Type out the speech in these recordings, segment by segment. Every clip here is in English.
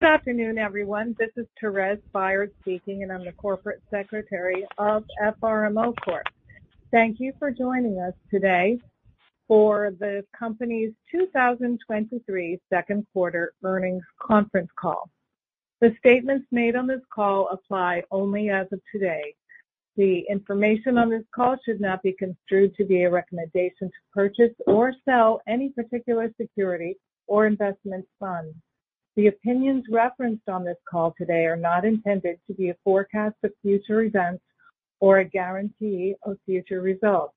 Good afternoon, everyone. This is Therese Byard speaking, and I'm the Corporate Secretary of FRMO Corp. Thank you for joining us today for the company's 2023 second quarter earnings conference call. The statements made on this call apply only as of today. The information on this call should not be construed to be a recommendation to purchase or sell any particular security or investment fund. The opinions referenced on this call today are not intended to be a forecast of future events or a guarantee of future results.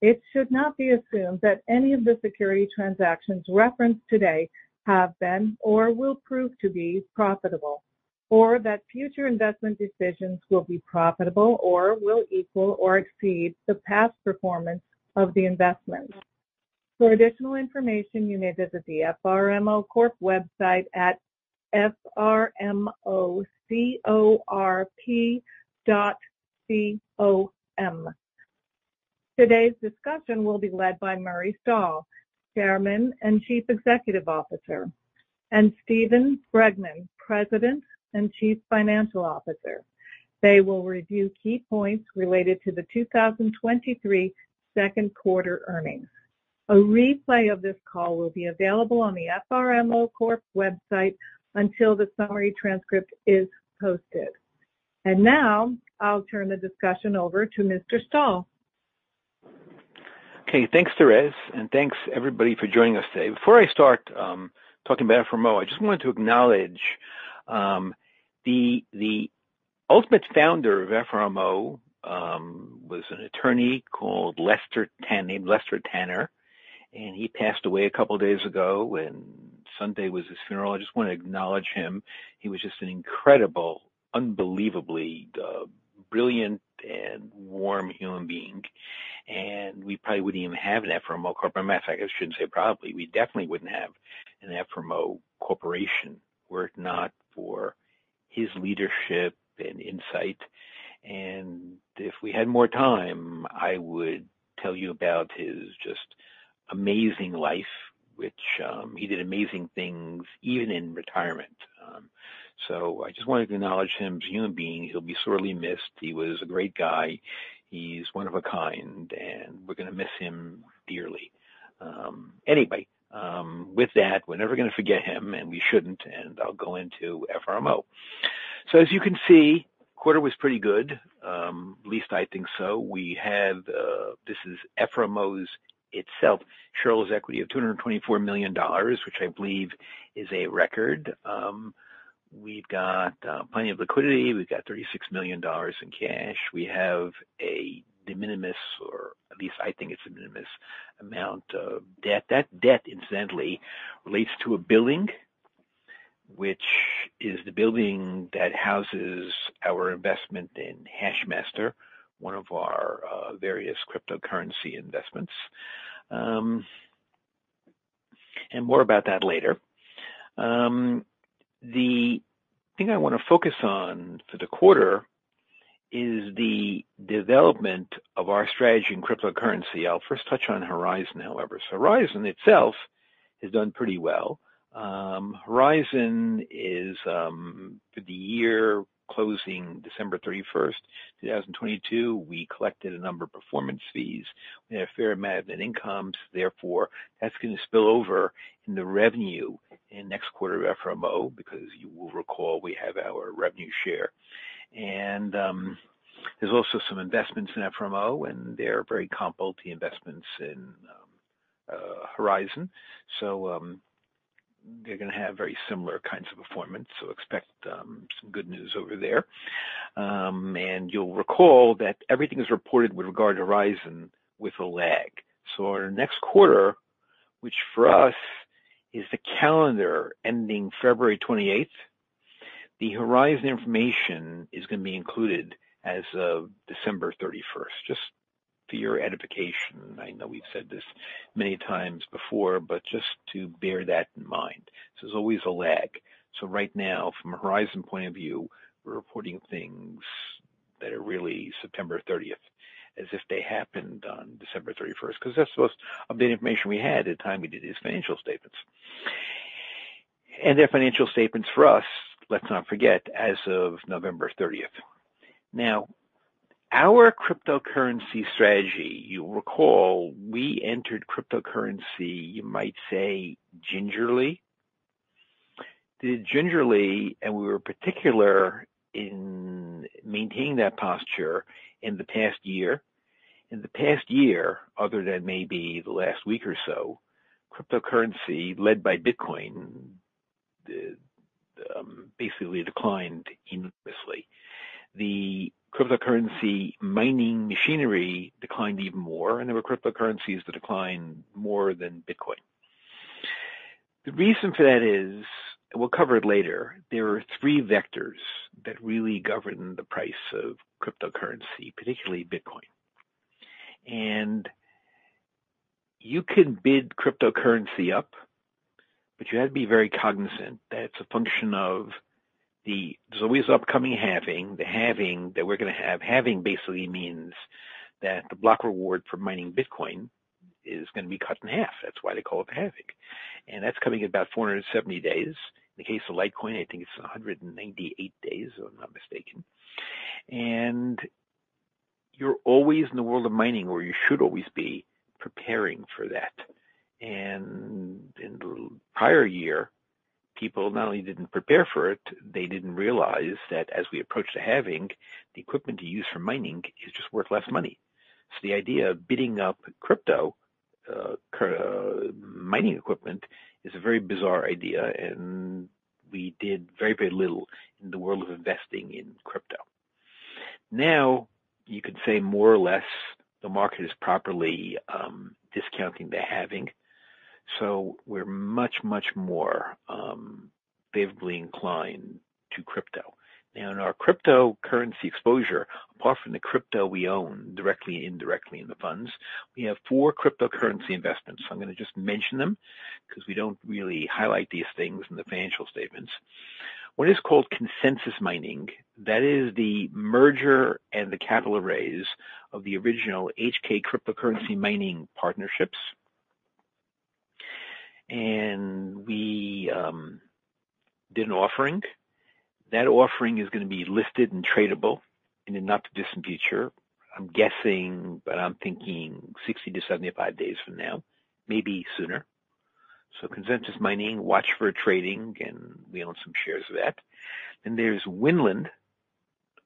It should not be assumed that any of the security transactions referenced today have been or will prove to be profitable, or that future investment decisions will be profitable or will equal or exceed the past performance of the investment. For additional information, you may visit the FRMO Corp website at frmocorp.com. Today's discussion will be led by Murray Stahl, Chairman and Chief Executive Officer, and Steven Bregman, President and Chief Financial Officer. They will review key points related to the 2023 second quarter earnings. A replay of this call will be available on the FRMO Corp. website until the summary transcript is posted. Now I'll turn the discussion over to Mr. Stahl. Okay. Thanks, Therese, and thanks everybody for joining us today. Before I start talking about FRMO, I just wanted to acknowledge the ultimate founder of FRMO was an attorney named Lester Tanner, and he passed away a couple of days ago, and Sunday was his funeral. I just want to acknowledge him. He was just an incredible, unbelievably brilliant and warm human being. We probably wouldn't even have an FRMO Corp. As a matter of fact, I shouldn't say probably. We definitely wouldn't have an FRMO Corporation were it not for his leadership and insight. If we had more time, I would tell you about his just amazing life, which he did amazing things even in retirement. I just wanted to acknowledge him as a human being. He'll be sorely missed. He was a great guy. He's one of a kind, and we're gonna miss him dearly. With that, we're never gonna forget him, and we shouldn't. I'll go into FRMO. As you can see, quarter was pretty good, at least I think so. We had, this is FRMO's itself, shareholder's equity of $224 million, which I believe is a record. We've got plenty of liquidity. We've got $36 million in cash. We have a de minimis, or at least I think it's de minimis amount of debt. That debt incidentally relates to a building, which is the building that houses our investment in HashMaster, one of our various cryptocurrency investments, and more about that later. The thing I wanna focus on for the quarter is the development of our strategy in cryptocurrency. I'll first touch on Horizon, however. Horizon itself has done pretty well. Horizon is for the year closing December 31, 2022, we collected a number of performance fees. We had a fair amount of net incomes. Therefore, that's gonna spill over in the revenue in next quarter of FRMO because you will recall we have our revenue share. There's also some investments in FRMO, and they're very comparable to investments in Horizon. They're gonna have very similar kinds of performance. Expect some good news over there. You'll recall that everything is reported with regard to Horizon with a lag. Our next quarter, which for us is the calendar ending February 28, the Horizon information is gonna be included as of December 31. Just for your edification, I know we've said this many times before, but just to bear that in mind. There's always a lag. Right now, from a Horizon point of view, we're reporting things that are really September thirtieth as if they happened on December thirty-first, because that's the most updated information we had at the time we did these financial statements. They're financial statements for us, let's not forget, as of November thirtieth. Our cryptocurrency strategy, you'll recall we entered cryptocurrency, you might say, gingerly. Did it gingerly, and we were particular in maintaining that posture in the past year. In the past year, other than maybe the last week or so, cryptocurrency led by Bitcoin, basically declined enormously. The cryptocurrency mining machinery declined even more, and there were cryptocurrencies that declined more than Bitcoin. The reason for that is, and we'll cover it later, there are three vectors that really govern the price of cryptocurrency, particularly Bitcoin. You can bid cryptocurrency up, but you have to be very cognizant that it's a function of there's always upcoming halving. The halving that we're gonna have. Halving basically means that the block reward for mining Bitcoin is gonna be cut in half. That's why they call it the halving. That's coming in about 470 days. In the case of Litecoin, I think it's 198 days, if I'm not mistaken. You're always in the world of mining, or you should always be preparing for that. In the prior year, people not only didn't prepare for it, they didn't realize that as we approach the halving, the equipment you use for mining is just worth less money. The idea of bidding up crypto mining equipment is a very bizarre idea, and we did very, very little in the world of investing in crypto. You could say more or less the market is properly discounting the halving, so we're much, much more favorably inclined to crypto. In our cryptocurrency exposure, apart from the crypto we own directly and indirectly in the funds, we have four cryptocurrency investments. I'm gonna just mention them 'cause we don't really highlight these things in the financial statements. One is called ConsenSys Mining. That is the merger and the capital raise of the original HK Cryptocurrency Mining partnerships. We did an offering. That offering is gonna be listed and tradable in the not-too-distant future. I'm guessing, but I'm thinking 60-75 days from now, maybe sooner. ConsenSys Mining, watch for trading, and we own some shares of that. There's Winland,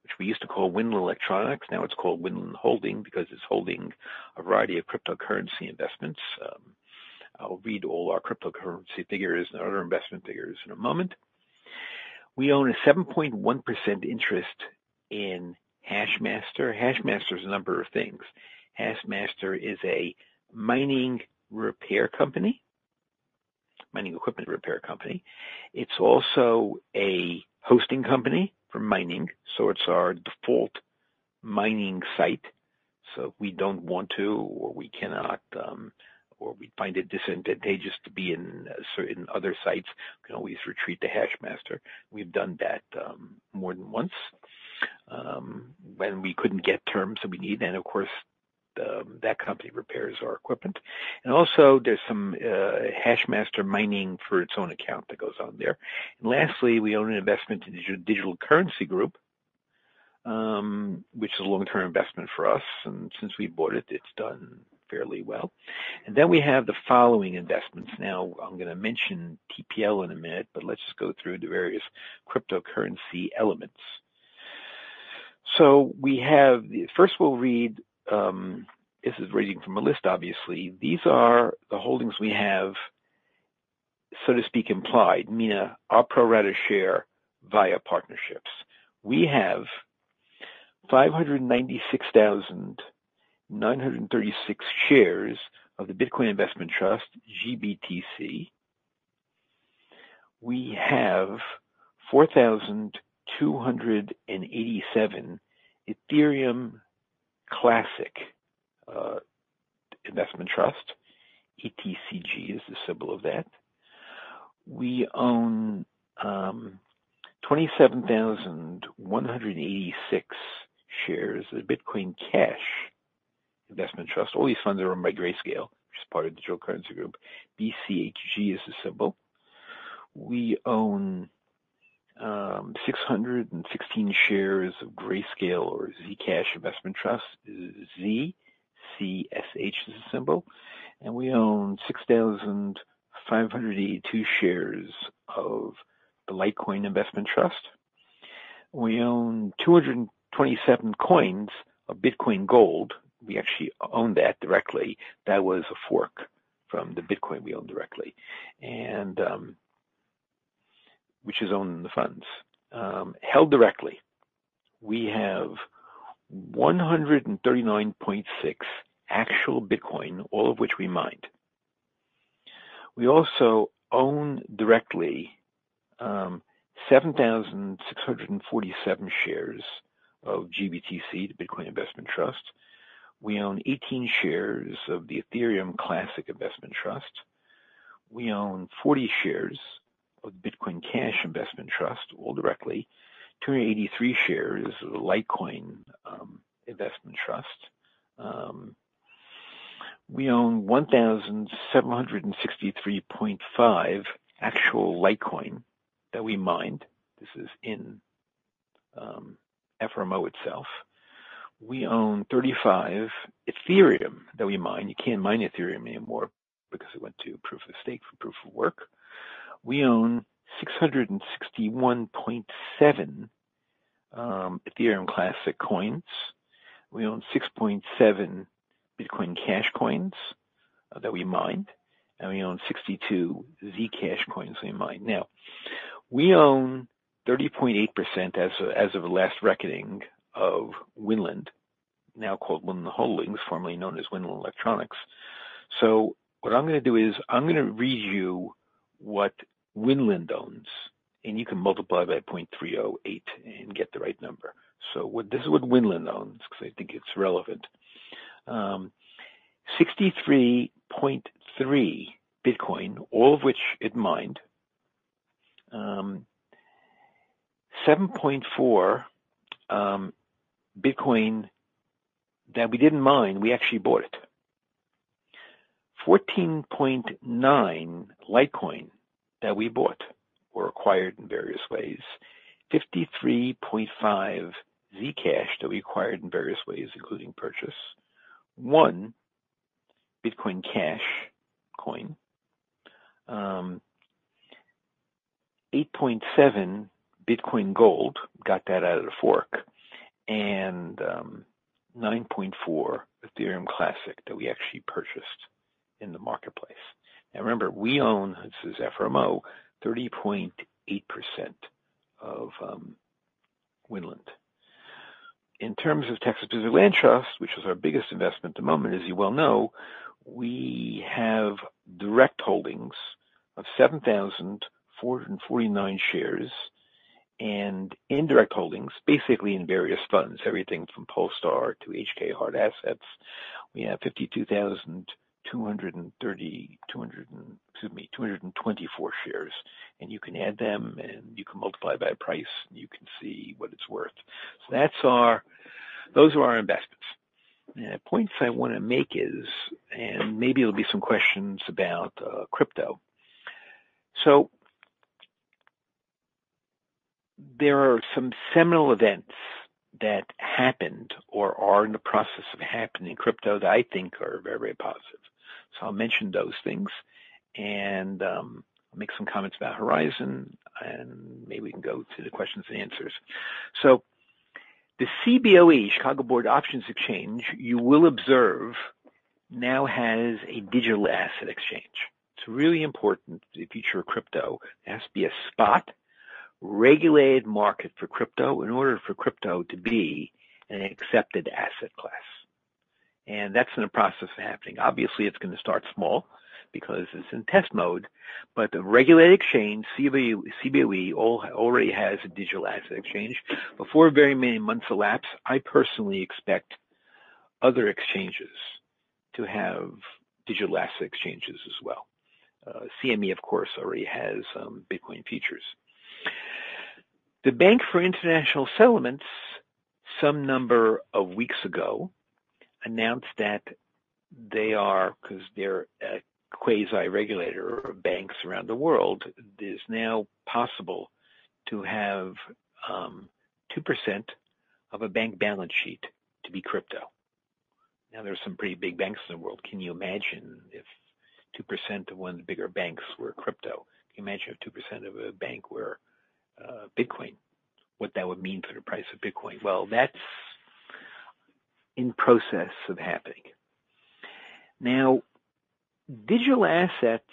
which we used to call Winland Electronics. Now it's called Winland Holding because it's holding a variety of cryptocurrency investments. I'll read all our cryptocurrency figures and our other investment figures in a moment. We own a 7.1% interest in HashMaster. HashMaster is a number of things. HashMaster is a mining repair company, mining equipment repair company. It's also a hosting company for mining, so it's our default mining site. If we don't want to or we cannot, or we find it disadvantageous to be in certain other sites, we can always retreat to HashMaster. We've done that, more than once, when we couldn't get terms that we need. Of course, that company repairs our equipment. Also there's some HashMaster mining for its own account that goes on there. Lastly, we own an investment in Digital Currency Group, which is a long-term investment for us, and since we bought it's done fairly well. Then we have the following investments. Now, I'm gonna mention TPL in a minute, but let's just go through the various cryptocurrency elements. First we'll read, this is reading from a list, obviously. These are the holdings we have, so to speak, implied, meaning our pro rata share via partnerships. We have 596,936 shares of the Bitcoin Investment Trust, GBTC. We have 4,287 Ethereum Classic Investment Trust. ETCG is the symbol of that. We own 27,186 shares of Bitcoin Cash Investment Trust. All these funds are run by Grayscale, which is part of Digital Currency Group. BCHG is the symbol. We own 616 shares of Grayscale or Zcash Investment Trust. ZCSH is the symbol. We own 6,582 shares of the Litecoin Investment Trust. We own 227 coins of Bitcoin Gold. We actually own that directly. That was a fork from the Bitcoin we own directly. Which is owned in the funds. Held directly, we have 139.6 actual Bitcoin, all of which we mined. We also own directly, 7,647 shares of GBTC, the Bitcoin Investment Trust. We own 18 shares of the Ethereum Classic Investment Trust. We own 40 shares of Bitcoin Cash Investment Trust, all directly. 283 shares of the Litecoin Investment Trust. We own 1,763.5 actual Litecoin that we mined. This is in FRMO itself. We own 35 Ethereum that we mined. You can't mine Ethereum anymore because it went to proof-of-stake from proof-of-work. We own 661.7 Ethereum Classic coins. We own 6.7 Bitcoin Cash coins that we mined, and we own 62 Zcash coins that we mined. Now, we own 30.8% as of the last reckoning of Winland, now called Winland Holdings, formerly known as Winland Electronics. What I'm gonna do is I'm gonna read you what Winland owns, and you can multiply by 0.308 and get the right number. This is what Winland owns 'cause I think it's relevant. 63.3 Bitcoin, all of which it mined. 7.4 Bitcoin that we didn't mine, we actually bought it. 14.9 Litecoin that we bought or acquired in various ways. 53.5 Zcash that we acquired in various ways, including purchase. 1 Bitcoin Cash coin. 8.7 Bitcoin Gold, got that out of the fork. 9.4 Ethereum Classic that we actually purchased in the marketplace. Now remember, we own, this is FRMO, 30.8% of Winland. In terms of Texas Pacific Land Trust, which is our biggest investment at the moment, as you well know, we have direct holdings of 7,449 shares and indirect holdings, basically in various funds, everything from PoleStar to HK Hard Assets. We have 52,230, 224 shares. You can add them, you can multiply by price, you can see what it's worth. Those are our investments. Points I wanna make is, maybe it'll be some questions about crypto. There are some seminal events that happened or are in the process of happening in crypto that I think are very, very positive. I'll mention those things, make some comments about Horizon, maybe we can go to the questions and answers. The CBOE, Chicago Board Options Exchange, you will observe, now has a digital asset exchange. It's really important for the future of crypto. There has to be a spot, regulated market for crypto in order for crypto to be an accepted asset class. That's in the process of happening. Obviously, it's gonna start small because it's in test mode, but the regulated exchange, Cboe, already has a digital asset exchange. Before very many months elapse, I personally expect other exchanges to have digital asset exchanges as well. CME, of course, already has Bitcoin futures. The Bank for International Settlements, some number of weeks ago, announced that they are, 'cause they're a quasi-regulator of banks around the world, it is now possible to have 2% of a bank balance sheet to be crypto. There are some pretty big banks in the world. Can you imagine if 2% of one of the bigger banks were crypto? Can you imagine if 2% of a bank were Bitcoin, what that would mean for the price of Bitcoin? That's in process of happening. Now, digital assets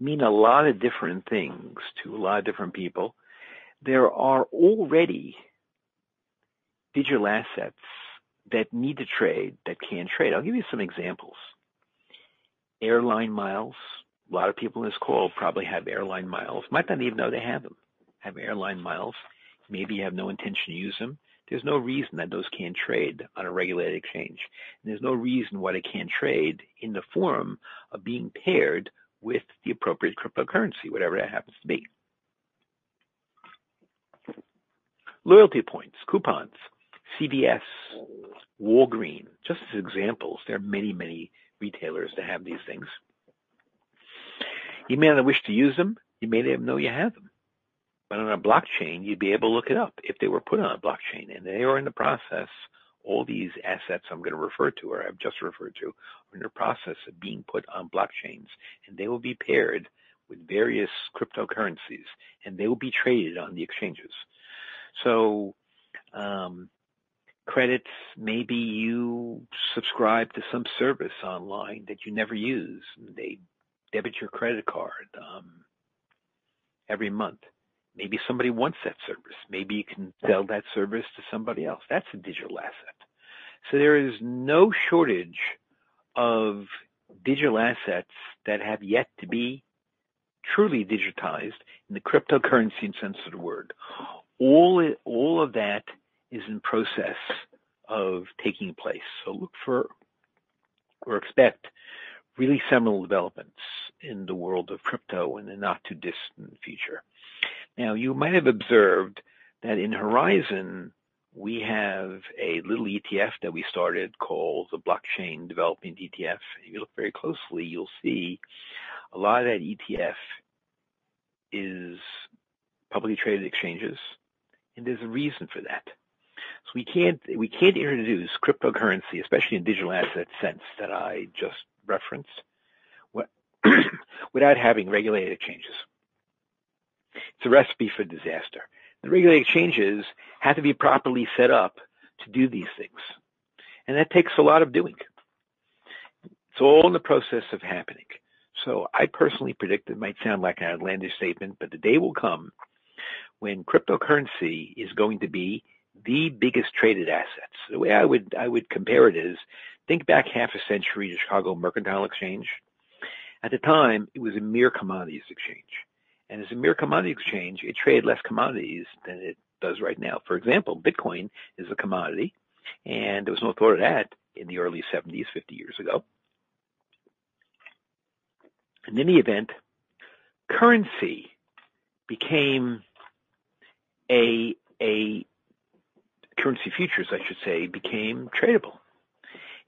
mean a lot of different things to a lot of different people. There are already digital assets that need to trade that can trade. I'll give you some examples. Airline miles. A lot of people in this call probably have airline miles. Might not even know they have them. Have airline miles, maybe have no intention to use them. There's no reason that those can't trade on a regulated exchange. There's no reason why they can't trade in the form of being paired with the appropriate cryptocurrency, whatever that happens to be. Loyalty points, coupons, CVS, Walgreens, just as examples. There are many, many retailers that have these things. You may not wish to use them, you may not even know you have them. But on a blockchain, you'd be able to look it up if they were put on a blockchain. They are in the process, all these assets I'm gonna refer to or I've just referred to, are in the process of being put on blockchains, and they will be paired with various cryptocurrencies, and they will be traded on the exchanges. Credits, maybe you subscribe to some service online that you never use. They debit your credit card every month. Maybe somebody wants that service. Maybe you can sell that service to somebody else. That's a digital asset. There is no shortage of digital assets that have yet to be truly digitized in the cryptocurrency in sense of the word. All of that is in process of taking place. Look for or expect really seminal developments in the world of crypto in the not-too-distant future. You might have observed that in Horizon, we have a little ETF that we started called the Horizon Kinetics Blockchain Development ETF. If you look very closely, you'll see a lot of that ETF is publicly traded exchanges, there's a reason for that. We can't introduce cryptocurrency, especially in digital asset sense that I just referenced, without having regulated exchanges. It's a recipe for disaster. The regulated exchanges have to be properly set up to do these things, that takes a lot of doing. It's all in the process of happening. I personally predict, it might sound like an outlandish statement, the day will come when cryptocurrency is going to be the biggest traded assets. The way I would compare it is think back half a century to Chicago Mercantile Exchange. At the time, it was a mere commodities exchange, and as a mere commodity exchange, it traded less commodities than it does right now. For example, Bitcoin is a commodity, and there was no thought of that in the early seventies, 50 years ago. In the event, currency futures, I should say, became tradable.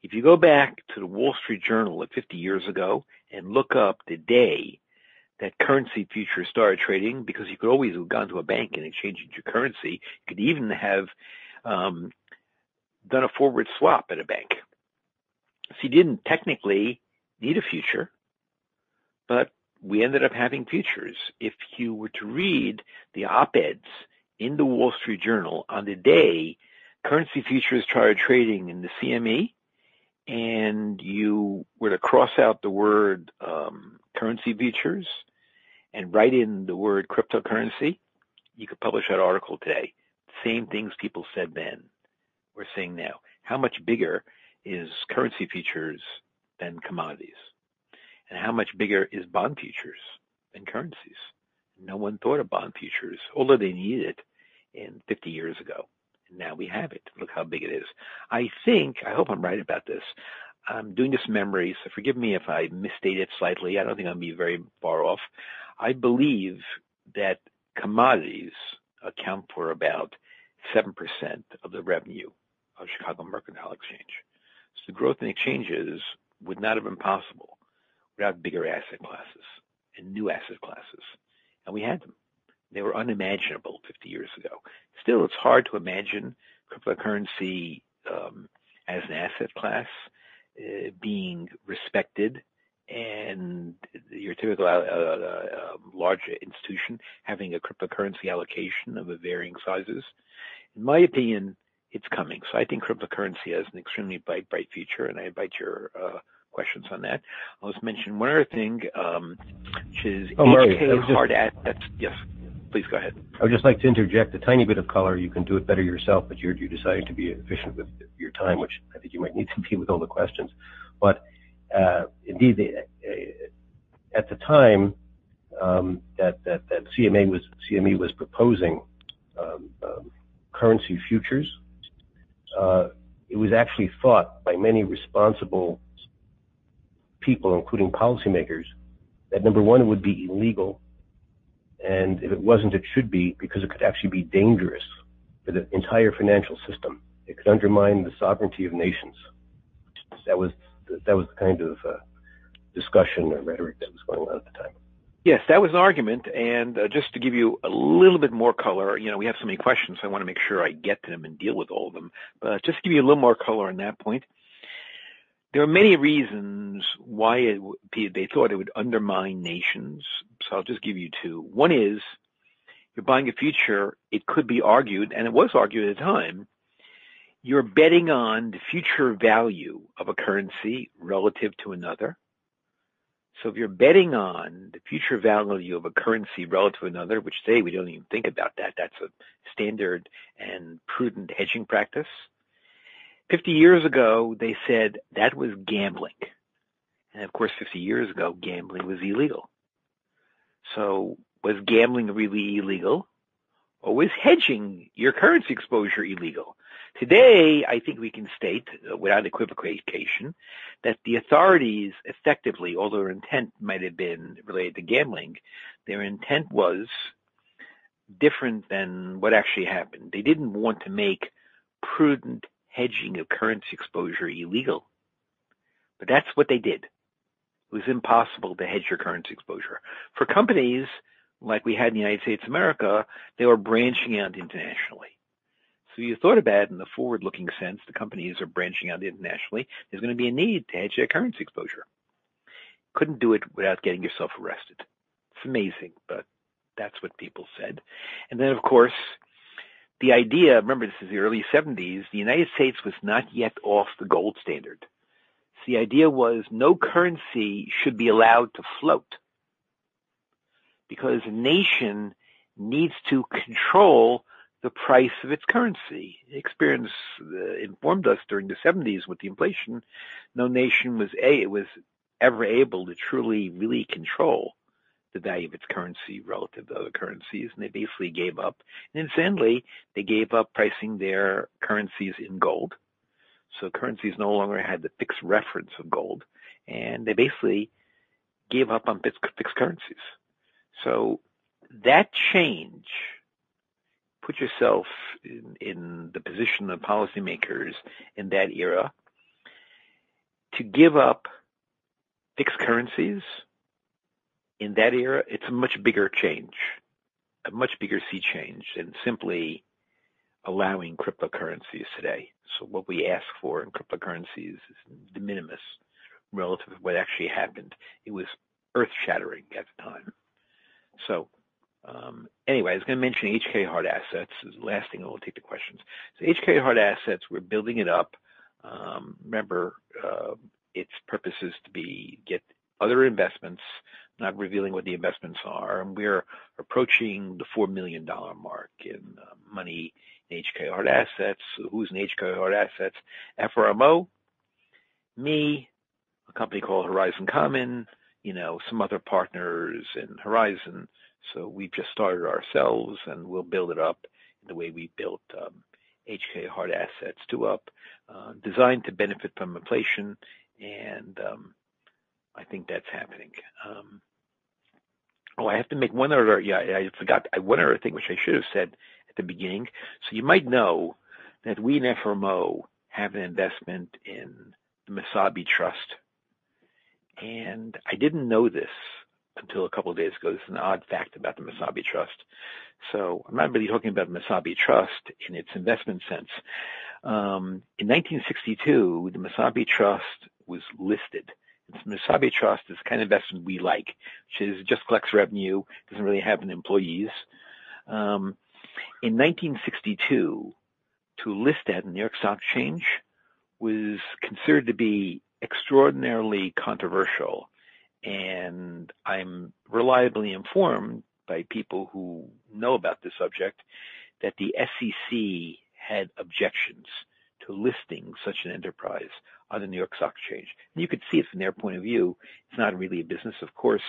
If you go back to The Wall Street Journal of 50 years ago and look up the day that currency futures started trading, because you could always have gone to a bank and exchanged your currency, you could even have done a forward swap at a bank. You didn't technically need a future, but we ended up having futures. If you were to read the op-eds in The Wall Street Journal on the day currency futures started trading in the CME, you were to cross out the word, currency futures and write in the word cryptocurrency, you could publish that article today. Same things people said then, we're saying now. How much bigger is currency futures than commodities? How much bigger is bond futures than currencies? No one thought of bond futures, although they needed it in 50 years ago. Now we have it. Look how big it is. I think, I hope I'm right about this. I'm doing this memory, so forgive me if I misstate it slightly. I don't think I'm going to be very far off. I believe that commodities account for about 7% of the revenue of Chicago Mercantile Exchange. The growth in exchanges would not have been possible without bigger asset classes and new asset classes, and we had them. They were unimaginable 50 years ago. Still, it's hard to imagine cryptocurrency as an asset class being respected and your typical larger institution having a cryptocurrency allocation of varying sizes. In my opinion, it's coming. I think cryptocurrency has an extremely bright future, and I invite your questions on that. I'll just mention one other thing, which is HK Hard Asset. Yes, please go ahead. I would just like to interject a tiny bit of color. You can do it better yourself, but you decided to be efficient with your time, which I think you might need to be with all the questions. But, indeed, at the time, that CME was proposing currency futures, it was actually thought by many responsible people, including policymakers, that number one, it would be illegal. If it wasn't, it should be, because it could actually be dangerous for the entire financial system. It could undermine the sovereignty of nations. That was the kind of discussion or rhetoric that was going on at the time. Yes, that was an argument. Just to give you a little bit more color we have so many questions, so I want to make sure I get to them and deal with all of them. Just to give you a little more color on that point, there are many reasons why they thought it would undermine nations. I'll just give you two. One is you're buying a future, it could be argued, and it was argued at the time, you're betting on the future value of a currency relative to another. If you're betting on the future value of a currency relative to another, which today we don't even think about that's a standard and prudent hedging practice. 50 years ago, they said that was gambling. Of course, 50 years ago, gambling was illegal. Was gambling really illegal or was hedging your currency exposure illegal? Today, I think we can state without equivocation that the authorities effectively, although their intent might have been related to gambling, their intent was different than what actually happened. They didn't want to make prudent hedging of currency exposure illegal, but that's what they did. It was impossible to hedge your currency exposure. For companies like we had in the United States of America, they were branching out internationally. You thought about in the forward-looking sense, the companies are branching out internationally. There's going to be a need to hedge their currency exposure. Couldn't do it without getting yourself arrested. It's amazing, but that's what people said. Then, of course, the idea, remember, this is the early 1970s, the United States was not yet off the gold standard. The idea was no currency should be allowed to float because a nation needs to control the price of its currency. Experience informed us during the 1970s with the inflation, no nation was ever able to truly, really control the value of its currency relative to other currencies, and they basically gave up. Secondly, they gave up pricing their currencies in gold. Currencies no longer had the fixed reference of gold, and they basically gave up on fixed currencies. That change, put yourself in the position of policymakers in that era. To give up fixed currencies in that era, it's a much bigger change, a much bigger sea change, than simply allowing cryptocurrencies today. What we ask for in cryptocurrencies is de minimis relative to what actually happened. It was earth-shattering at the time. Anyway, I was going to mention HK Hard Assets is the last thing, then we'll take the questions. HK Hard Assets, we're building it up. Remember, its purpose is to be, get other investments. Not revealing what the investments are. We're approaching the $4 million mark in money in HK Hard Assets. Who's in HK Hard Assets? FRMO, me, a company called Horizon common some other partners in Horizon. We've just started ourselves, and we'll build it up the way we built HK Hard Assets, designed to benefit from inflation. I think that's happening. Oh, yeah, I forgot one other thing, which I should have said at the beginning. You might know that we and FRMO have an investment in the Mesabi Trust. I didn't know this until a couple of days ago. This is an odd fact about the Mesabi Trust. I'm not really talking about Mesabi Trust in its investment sense. In 1962, the Mesabi Trust was listed. Mesabi Trust is the kind of investment we like. Just collects revenue, doesn't really have any employees. In 1962, to list at New York Stock Exchange was considered to be extraordinarily controversial. I'm reliably informed by people who know about this subject that the SEC had objections to listing such an enterprise on the New York Stock Exchange. You could see it from their point of view, it's not really a business. Of course,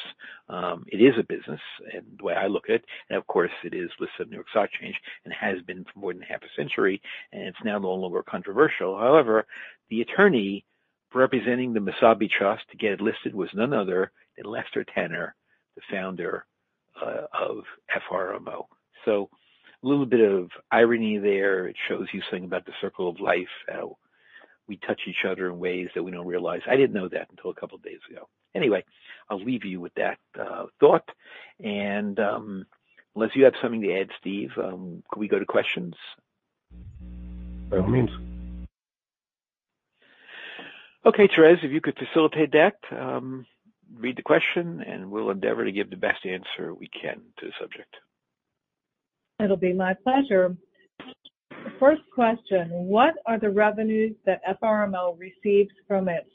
it is a business in the way I look at it, and of course it is listed on New York Stock Exchange and has been for more than half a century, and it's now no longer controversial. However, the attorney representing the Mesabi Trust to get it listed was none other than Lester Tanner, the founder of FRMO. A little bit of irony there. It shows you something about the circle of life, how we touch each other in ways that we don't realize. I didn't know that until a couple of days ago. Anyway, I'll leave you with that thought. Unless you have something to add, Steve, could we go to questions? By all means. Okay, Therese, if you could facilitate that. Read the question, and we'll endeavor to give the best answer we can to the subject. It'll be my pleasure. First question: What are the revenues that FRMO receives from its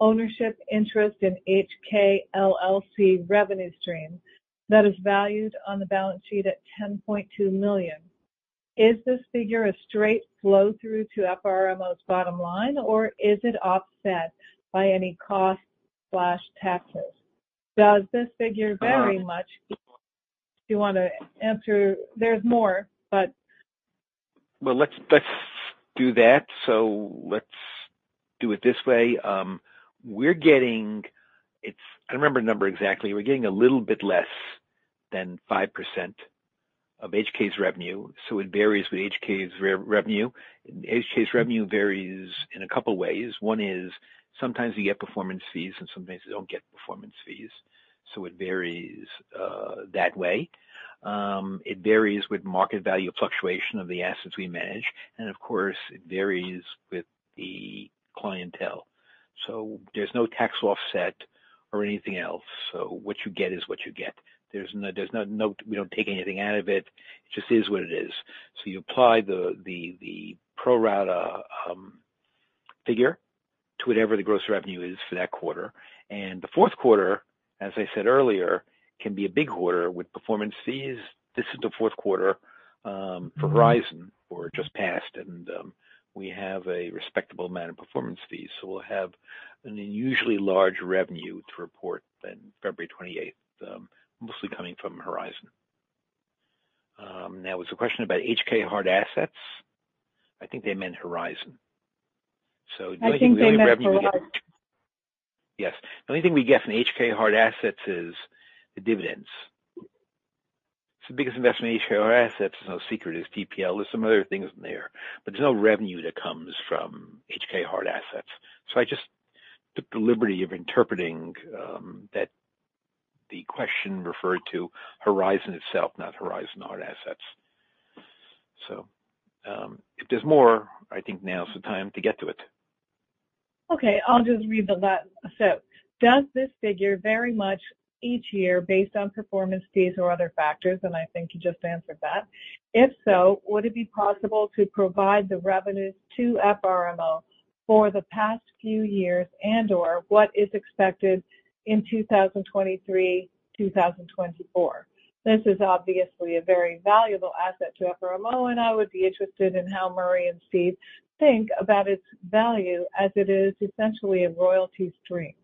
ownership interest in HK LLC revenue stream that is valued on the balance sheet at $10.2 million? Is this figure a straight flow through to FRMO's bottom line, or is it offset by any cost/taxes? Does this figure vary much? Do you wanna answer? There's more, but. Well, let's do that. Let's do it this way. We're getting. I don't remember the number exactly. We're getting a little bit less than 5% of HK's revenue, it varies with HK's revenue. HK's revenue varies in a couple ways. One is sometimes we get performance fees and sometimes we don't get performance fees. It varies, that way. It varies with market value fluctuation of the assets we manage, and of course, it varies with the clientele. There's no tax offset or anything else. What you get is what you get. There's no. We don't take anything out of it. It just is what it is. You apply the pro rata figure to whatever the gross revenue is for that quarter. The fourth quarter, as I said earlier, can be a big quarter with performance fees. This is the fourth quarter for Horizon, or just passed, and we have a respectable amount of performance fees. We'll have an unusually large revenue to report on February 28th, mostly coming from Horizon. There was a question about Hard Assets Alliance. I think they meant Horizon. I think they meant Horizon. Yes. The only thing we get from Hard Assets Alliance is the dividends. It's the biggest investment in Hard Assets Alliance. It's no secret it's TPL. There's some other things in there, but there's no revenue that comes from Hard Assets Alliance. I just took the liberty of interpreting that the question referred to Horizon itself, not Horizon Hard Assets. If there's more, I think now is the time to get to it. Okay, I'll just read the last. Does this figure vary much each year based on performance fees or other factors? I think you just answered that. If so, would it be possible to provide the revenues to FRMO for the past few years and/or what is expected in 2023, 2024? This is obviously a very valuable asset to FRMO, and I would be interested in how Murray and Steve think about its value as it is essentially a royalty stream.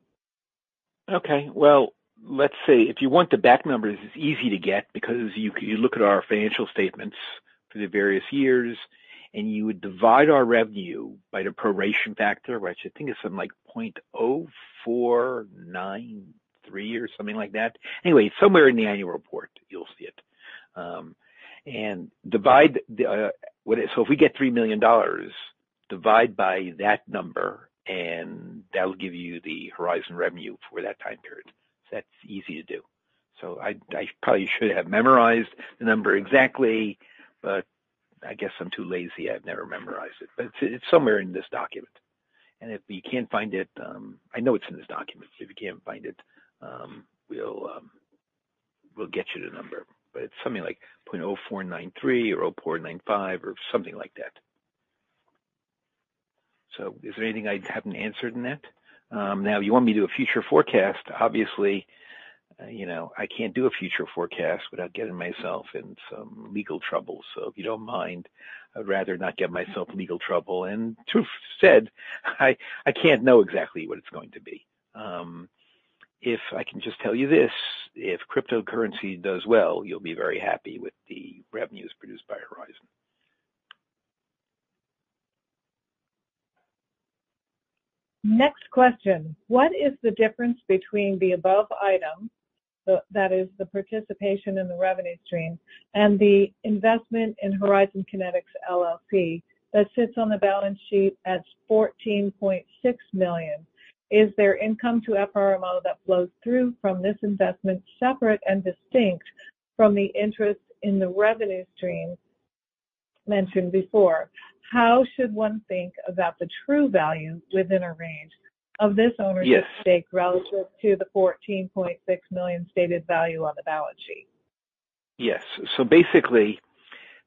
Okay, well, let's see. If you want the back numbers, it's easy to get because you look at our financial statements for the various years, and you would divide our revenue by the proration factor, which I think is something like 0.0493 or something like that. Somewhere in the annual report you'll see it. Divide the. If we get $3 million, divide by that number, and that'll give you the Horizon revenue for that time period. That's easy to do. I probably should have memorized the number exactly, but I guess I'm too lazy. I've never memorized it. It's somewhere in this document. If you can't find it, I know it's in this document. If you can't find it, we'll get you the number. It's something like 0.0493 or 0.0495 or something like that. Is there anything I haven't answered in that? Now you want me to do a future forecast. obviously I can't do a future forecast without getting myself in some legal trouble. If you don't mind, I'd rather not get myself in legal trouble. Truth said, I can't know exactly what it's going to be. If I can just tell you this, if cryptocurrency does well, you'll be very happy with the revenues produced by Horizon. Next question. What is the difference between the above item, so that is the participation in the revenue stream, and the investment in Horizon Kinetics LLC that sits on the balance sheet at $14.6 million. Is there income to FRMO that flows through from this investment separate and distinct from the interest in the revenue stream mentioned before? How should one think about the true value within a range of this ownership. Yes. -stake relative to the $14.6 million stated value on the balance sheet? Yes. Basically,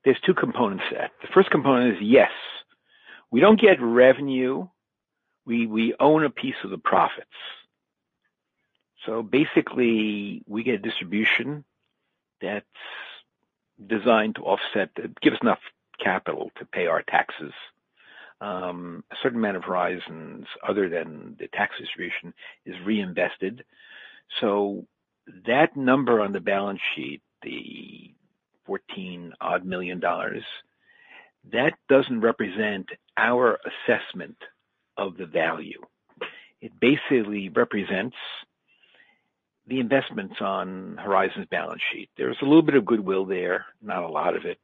there's two components there. The first component is, yes. We own a piece of the profits. Basically we get a distribution that's designed to give us enough capital to pay our taxes. A certain amount of Horizon's other than the tax distribution is reinvested. That number on the balance sheet, the $14 odd million, that doesn't represent our assessment of the value. It basically represents the investments on Horizon's balance sheet. There's a little bit of goodwill there, not a lot of it,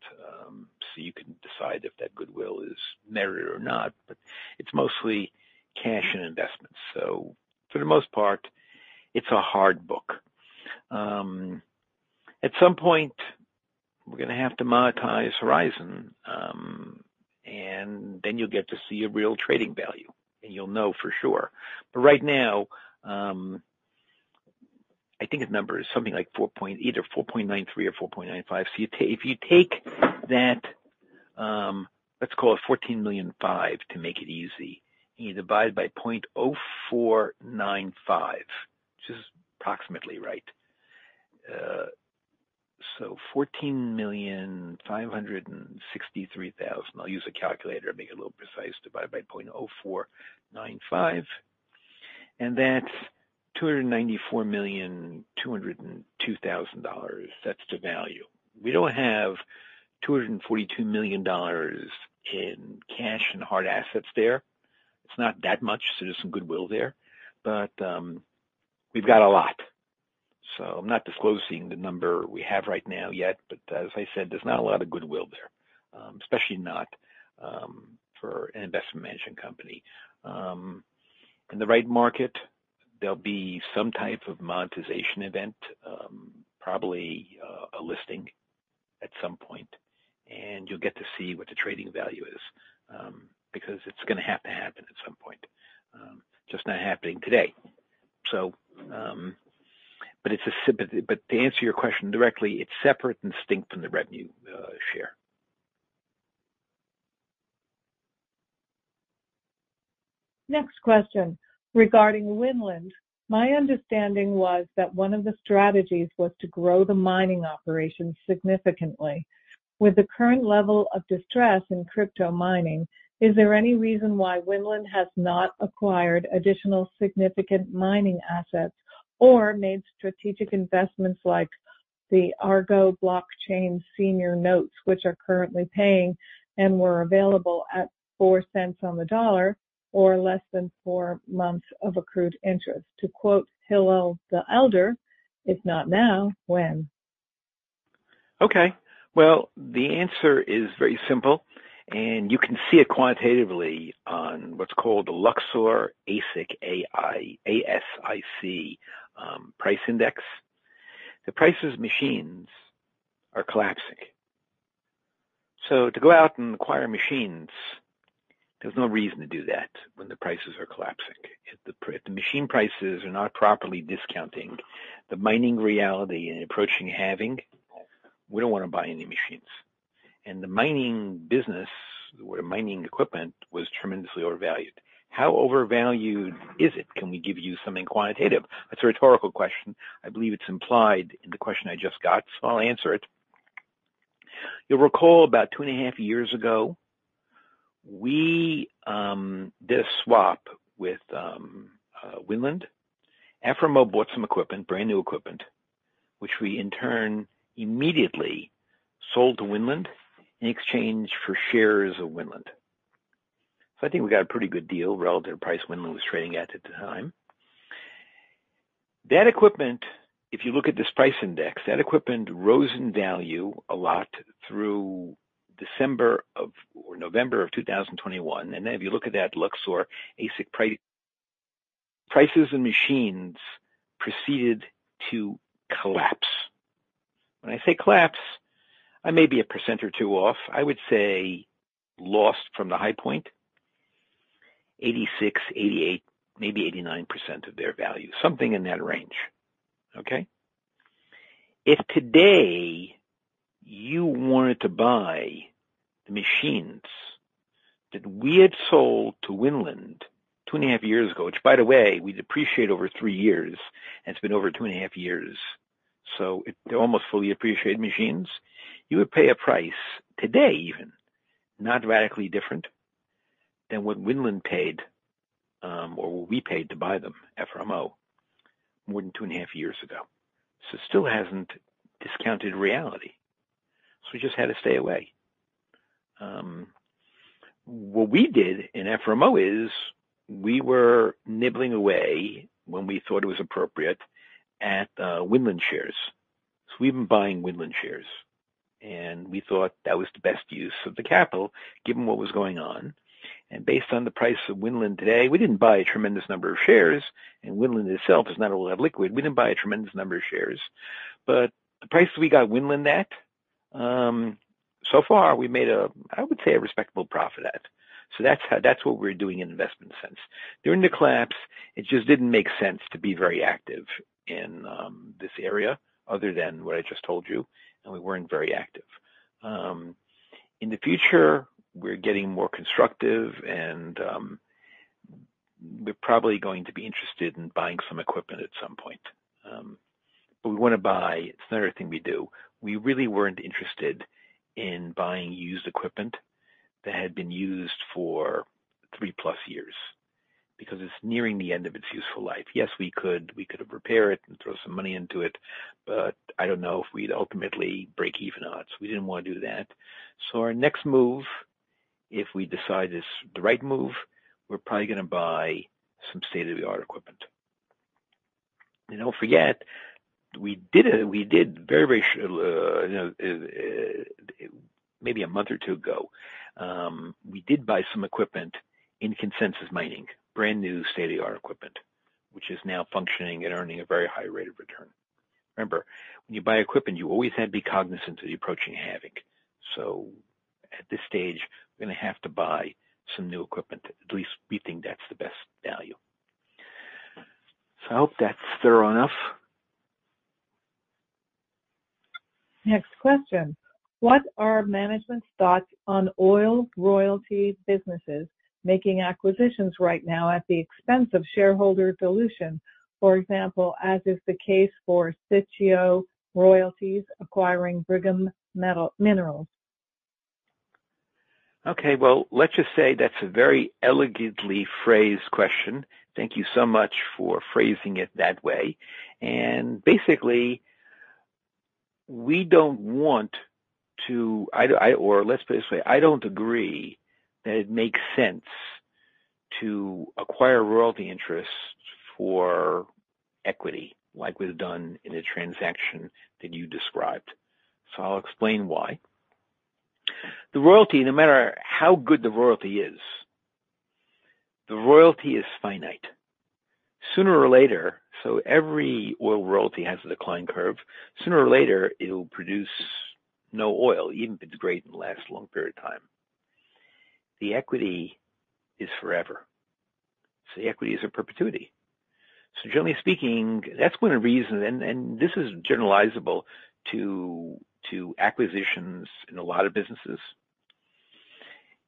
so you can decide if that goodwill is merited or not, but it's mostly cash and investments. For the most part, it's a hard book. At some point, we're gonna have to monetize Horizon, and then you'll get to see a real trading value, and you'll know for sure. Right now, I think its number is something like either 4.93 or 4.95. If you take that, let's call it $14.5 million to make it easy, and you divide by 0.0495, which is approximately right. $14,563,000. I'll use a calculator and make it a little precise. Divide by 0.0495, and that's $294,202,000. That's the value. We don't have $242 million in cash and hard assets there. It's not that much. There's some goodwill there, but we've got a lot. I'm not disclosing the number we have right now yet, but as I said, there's not a lot of goodwill there, especially not for an investment management company. In the right market, there'll be some type of monetization event, probably a listing at some point, and you'll get to see what the trading value is, because it's gonna have to happen at some point, just not happening today. It's a sympathy. To answer your question directly, it's separate and distinct from the revenue share. Next question. Regarding Winland, my understanding was that one of the strategies was to grow the mining operations significantly. With the current level of distress in crypto mining, is there any reason why Winland has not acquired additional significant mining assets or made strategic investments like the Argo Blockchain senior notes, which are currently paying and were available at $0.04 on the dollar or less than 4 months of accrued interest? To quote Hillel the Elder, "If not now, when? Well, the answer is very simple, and you can see it quantitatively on what's called the Luxor ASIC, A-S-I-C, Price Index. The prices of machines are collapsing. To go out and acquire machines, there's no reason to do that when the prices are collapsing. If the machine prices are not properly discounting the mining reality and approaching halving, we don't want to buy any machines. The mining business or mining equipment was tremendously overvalued. How overvalued is it? Can we give you something quantitative? That's a rhetorical question. I believe it's implied in the question I just got, so I'll answer it. You'll recall about two and a half years ago, we did a swap with Winland. FRMO bought some equipment, brand new equipment, which we in turn immediately sold to Winland in exchange for shares of Winland. I think we got a pretty good deal relative to price Winland was trading at the time. That equipment, if you look at this price index, that equipment rose in value a lot through November of 2021. If you look at that Luxor ASIC prices and machines proceeded to collapse. When I say collapse, I may be 1% or 2% off. I would say lost from the high point, 86%, 88%, maybe 89% of their value. Something in that range. Okay? If today you wanted to buy the machines that we had sold to Winland two and a half years ago, which by the way, we depreciate over 3 years, and it's been over two and a half years, They're almost fully appreciated machines. You would pay a price today even not radically different than what Winland paid, or what we paid to buy them FRMO more than 2 and a half years ago. It still hasn't discounted reality. We just had to stay away. What we did in FRMO is we were nibbling away when we thought it was appropriate at Winland shares. We've been buying Winland shares, and we thought that was the best use of the capital given what was going on. Based on the price of Winland today, we didn't buy a tremendous number of shares, and Winland itself is not all that liquid. We didn't buy a tremendous number of shares, but the price we got Winland at, so far we made a, I would say, a respectable profit at. That's how, that's what we're doing in investment sense. During the collapse, it just didn't make sense to be very active in this area other than what I just told you, and we weren't very active. In the future, we're getting more constructive and we're probably going to be interested in buying some equipment at some point. But we wanna buy. It's another thing we do. We really weren't interested in buying used equipment that had been used for 3-plus years because it's nearing the end of its useful life. Yes, we could have repaired it and throw some money into it, but I don't know if we'd ultimately break even odds. We didn't wanna do that. Our next move, if we decide it's the right move, we're probably gonna buy some state-of-the-art equipment. Don't forget, we did very maybe a month or 2 ago, we did buy some equipment in ConsenSys Mining, brand new state-of-the-art equipment, which is now functioning and earning a very high rate of return. Remember, when you buy equipment, you always have to be cognizant of the approaching halving. At this stage, we're gonna have to buy some new equipment. At least we think that's the best value. I hope that's thorough enough. Next question. What are management's thoughts on oil royalty businesses making acquisitions right now at the expense of shareholder dilution, for example, as is the case for Sitio Royalties acquiring Brigham Minerals? Okay, well, let's just say that's a very elegantly phrased question. Thank you so much for phrasing it that way. Or let's put it this way. I don't agree that it makes sense to acquire royalty interests for equity like we've done in the transaction that you described. I'll explain why. The royalty, no matter how good the royalty is, the royalty is finite. Sooner or later, so every oil royalty has a decline curve. Sooner or later, it'll produce no oil, even if it's great and lasts a long period of time. The equity is forever. The equity is a perpetuity. Generally speaking, that's one of the reasons. This is generalizable to acquisitions in a lot of businesses.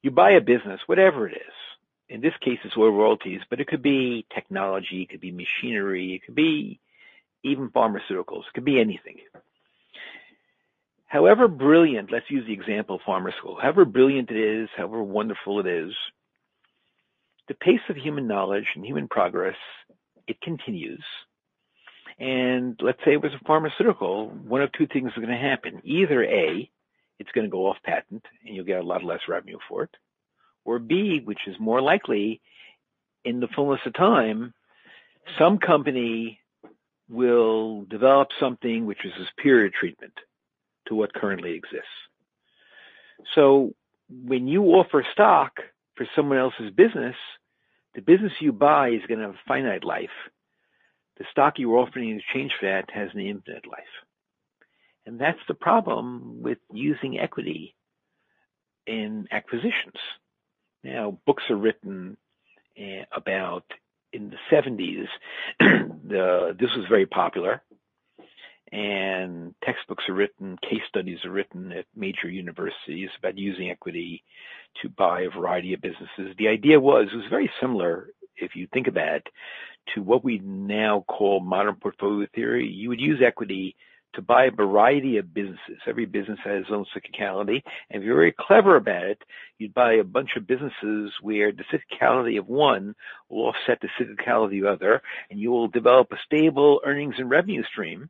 You buy a business, whatever it is. In this case, it's oil royalties, but it could be technology, it could be machinery, it could be even pharmaceuticals. It could be anything. However brilliant... Let's use the example of pharmaceuticals. However brilliant it is, however wonderful it is, the pace of human knowledge and human progress, it continues. Let's say if it's a pharmaceutical, one of two things are gonna happen. Either A, it's gonna go off patent, and you'll get a lot less revenue for it. Or B, which is more likely, in the fullness of time, some company will develop something which is a superior treatment to what currently exists. When you offer stock for someone else's business, the business you buy is gonna have a finite life. The stock you're offering in exchange for that has an infinite life. That's the problem with using equity in acquisitions. Books are written, about in the 1970s, This was very popular, and textbooks are written, case studies are written at major universities about using equity to buy a variety of businesses. The idea was, it was very similar, if you think about it, to what we now call modern portfolio theory. You would use equity to buy a variety of businesses. Every business has its own cyclicality. If you're very clever about it, you'd buy a bunch of businesses where the cyclicality of one will offset the cyclicality of the other, and you will develop a stable earnings and revenue stream.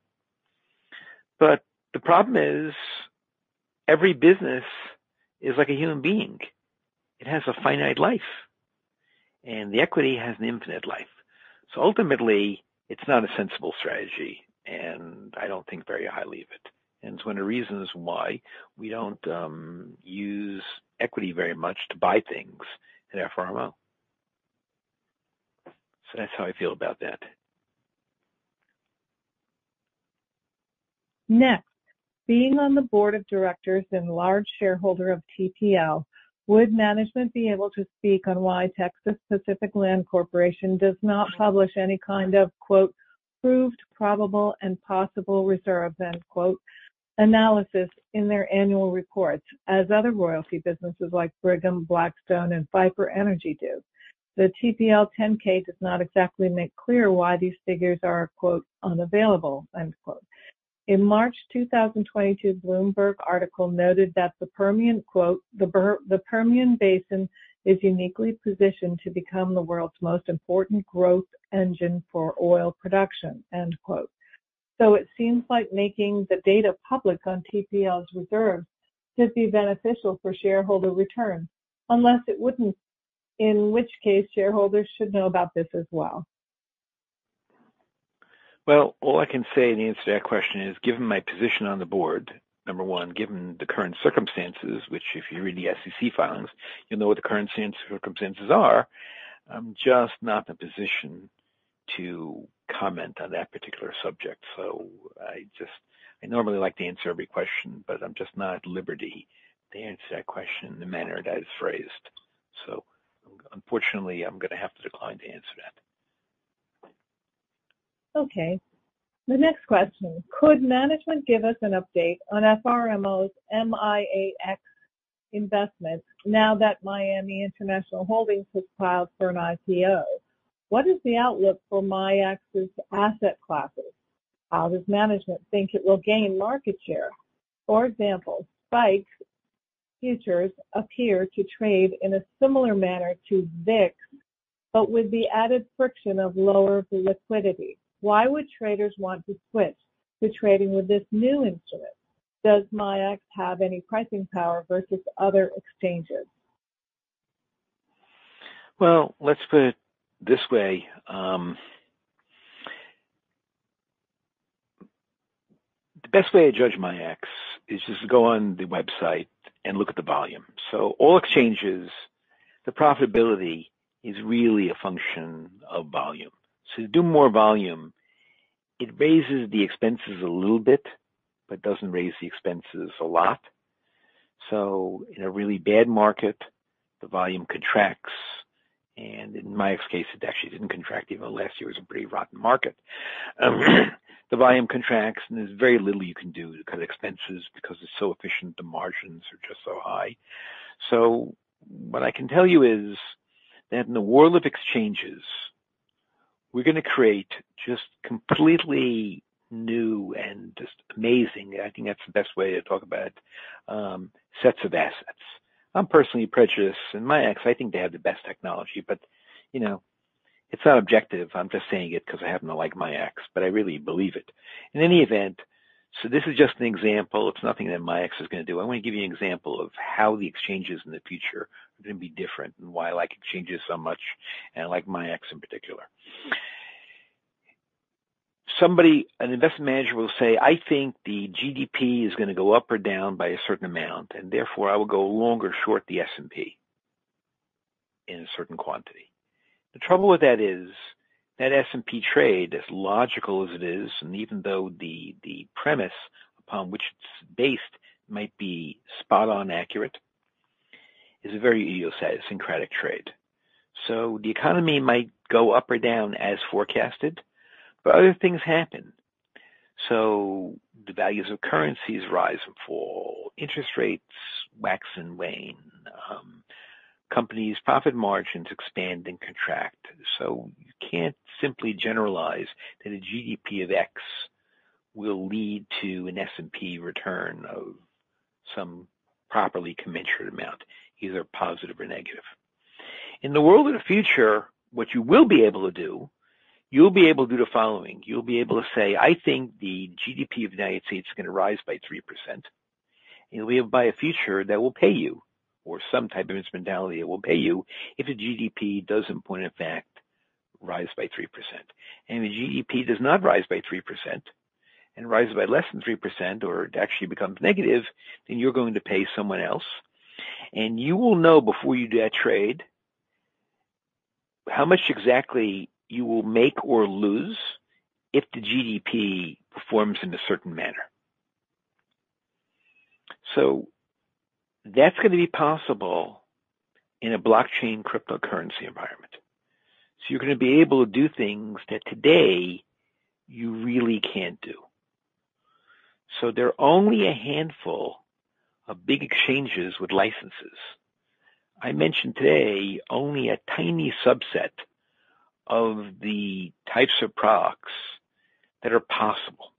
The problem is every business is like a human being. It has a finite life, and the equity has an infinite life. Ultimately, it's not a sensible strategy, and I don't think very highly of it. It's one of the reasons why we don't use equity very much to buy things in FRMO. That's how I feel about that. NextBeing on the board of directors and large shareholder of TPL, would management be able to speak on why Texas Pacific Land Corporation does not publish any kind of quote, proved probable and possible reserve end quote, analysis in their annual reports as other royalty businesses like Brigham, Blackstone, and Viper Energy do. The TPL 10-K does not exactly make clear why these figures are, quote, unavailable, end quote. In March 2022, Bloomberg article noted that the Permian, quote, "The Permian Basin is uniquely positioned to become the world's most important growth engine for oil production." End quote. It seems like making the data public on TPL's reserves should be beneficial for shareholder returns, unless it wouldn't, in which case shareholders should know about this as well. All I can say in the answer to that question is, given my position on the board, number one, given the current circumstances, which if you read the SEC filings, you'll know what the current circumstances are. I'm just not in a position to comment on that particular subject. I just... I normally like to answer every question, but I'm just not at liberty to answer that question in the manner that it's phrased. Unfortunately, I'm gonna have to decline to answer that. Okay. The next question. Could management give us an update on FRMO's MIAX investment now that Miami International Holdings has filed for an IPO? What is the outlook for MIAX's asset classes? How does management think it will gain market share? For example, SPIKES futures appear to trade in a similar manner to VIX, but with the added friction of lower liquidity. Why would traders want to switch to trading with this new instrument? Does MIAX have any pricing power versus other exchanges? Well, let's put it this way. The best way to judge MIAX is just to go on the website and look at the volume. All exchanges, the profitability is really a function of volume. To do more volume, it raises the expenses a little bit, but doesn't raise the expenses a lot. In a really bad market, the volume contracts, and in MIAX case, it actually didn't contract even though last year was a pretty rotten market. The volume contracts, and there's very little you can do to cut expenses because it's so efficient, the margins are just so high. What I can tell you is that in the world of exchanges, we're gonna create just completely new and just amazing, I think that's the best way to talk about it, sets of assets. I'm personally prejudiced. In MIAX, I think they have the best technology it's not objective. I'm just saying it 'cause I happen to like MIAX, I really believe it. In any event, this is just an example of something that MIAX is gonna do. I wanna give you an example of how the exchanges in the future are gonna be different and why I like exchanges so much, I like MIAX in particular. An investment manager will say, "I think the GDP is gonna go up or down by a certain amount, and therefore, I will go long or short the S&P in a certain quantity." The trouble with that is that S&P trade, as logical as it is, and even though the premise upon which it's based might be spot on accurate, is a very idiosyncratic trade. The economy might go up or down as forecasted, but other things happen. The values of currencies rise and fall, interest rates wax and wane, companies' profit margins expand and contract, so you can't simply generalize that a GDP of X will lead to an S&P return of some properly commensurate amount, either positive or negative. In the world of the future, what you will be able to do, you'll be able to do the following. You'll be able to say, "I think the GDP of the United States is gonna rise by 3%," and you'll be able to buy a future that will pay you or some type of instrumentality that will pay you if the GDP does, in point of fact, rise by 3%. If the GDP does not rise by 3% and rises by less than 3% or it actually becomes negative, then you're going to pay someone else. You will know before you do that trade how much exactly you will make or lose if the GDP performs in a certain manner. That's gonna be possible in a blockchain cryptocurrency environment. You're gonna be able to do things that today you really can't do. There are only a handful of big exchanges with licenses. I mentioned today only a tiny subset of the types of products that are possible.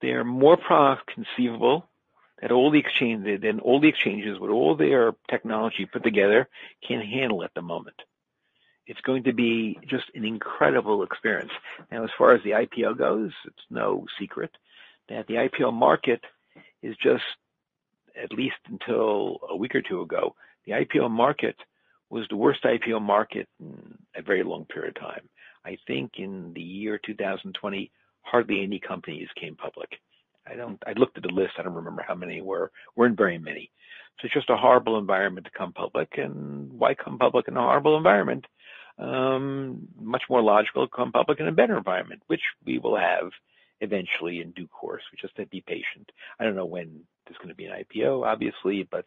There are more products conceivable than all the exchanges with all their technology put together can handle at the moment. It's going to be just an incredible experience. Now, as far as the IPO goes, it's no secret that the IPO market is just... At least until a week or 2 ago, the IPO market was the worst IPO market in a very long period of time. I think in the year 2020, hardly any companies came public. I looked at the list, I don't remember how many were. Weren't very many. It's just a horrible environment to come public. Why come public in a horrible environment? Much more logical to come public in a better environment, which we will have eventually in due course. We just have to be patient. I don't know when there's gonna be an IPO, obviously, but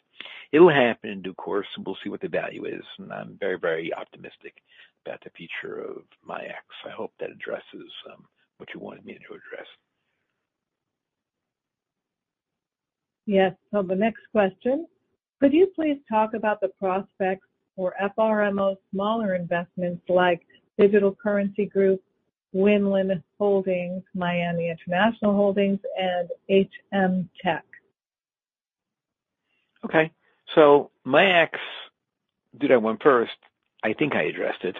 it will happen in due course, and we'll see what the value is. I'm very, very optimistic about the future of MIAX. I hope that addresses what you wanted me to address. Yes. The next question. Could you please talk about the prospects for FRMO's smaller investments like Digital Currency Group, Winland Holdings Corporation, Miami International Holdings, and HM Tech LLC? Okay. MIAX Finance, did that one first. I think I addressed it.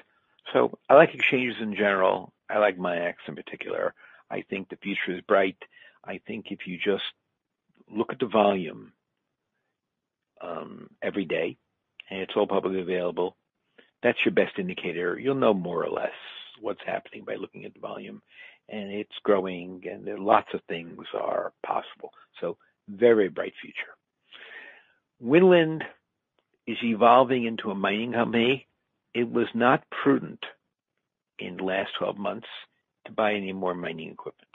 I like exchanges in general. I like MIAX Finance in particular. I think the future is bright. I think if you just look at the volume, every day, and it's all publicly available, that's your best indicator. You'll know more or less what's happening by looking at the volume. It's growing, and there are lots of things are possible. Very bright future. Winland Holdings Corporation is evolving into a mining company. It was not prudent in the last 12 months to buy any more mining equipment.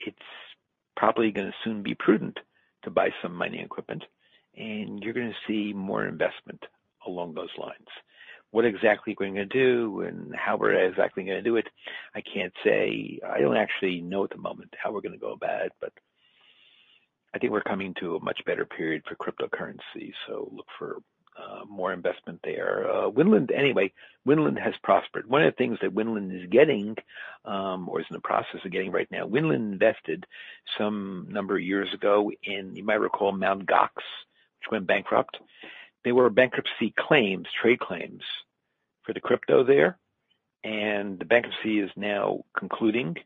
It's probably going to soon be prudent to buy some mining equipment, and you're going to see more investment along those lines. What exactly we're going to do and how we're exactly going to do it, I can't say. I don't actually know at the moment how we're gonna go about it, but I think we're coming to a much better period for cryptocurrency. Look for more investment there. Winland, anyway, Winland has prospered. One of the things that Winland is getting, or is in the process of getting right now, Winland invested some number of years ago in, you might recall Mt. Gox, which went bankrupt. There were bankruptcy claims, trade claims for the crypto there, and the bankruptcy is now concluding,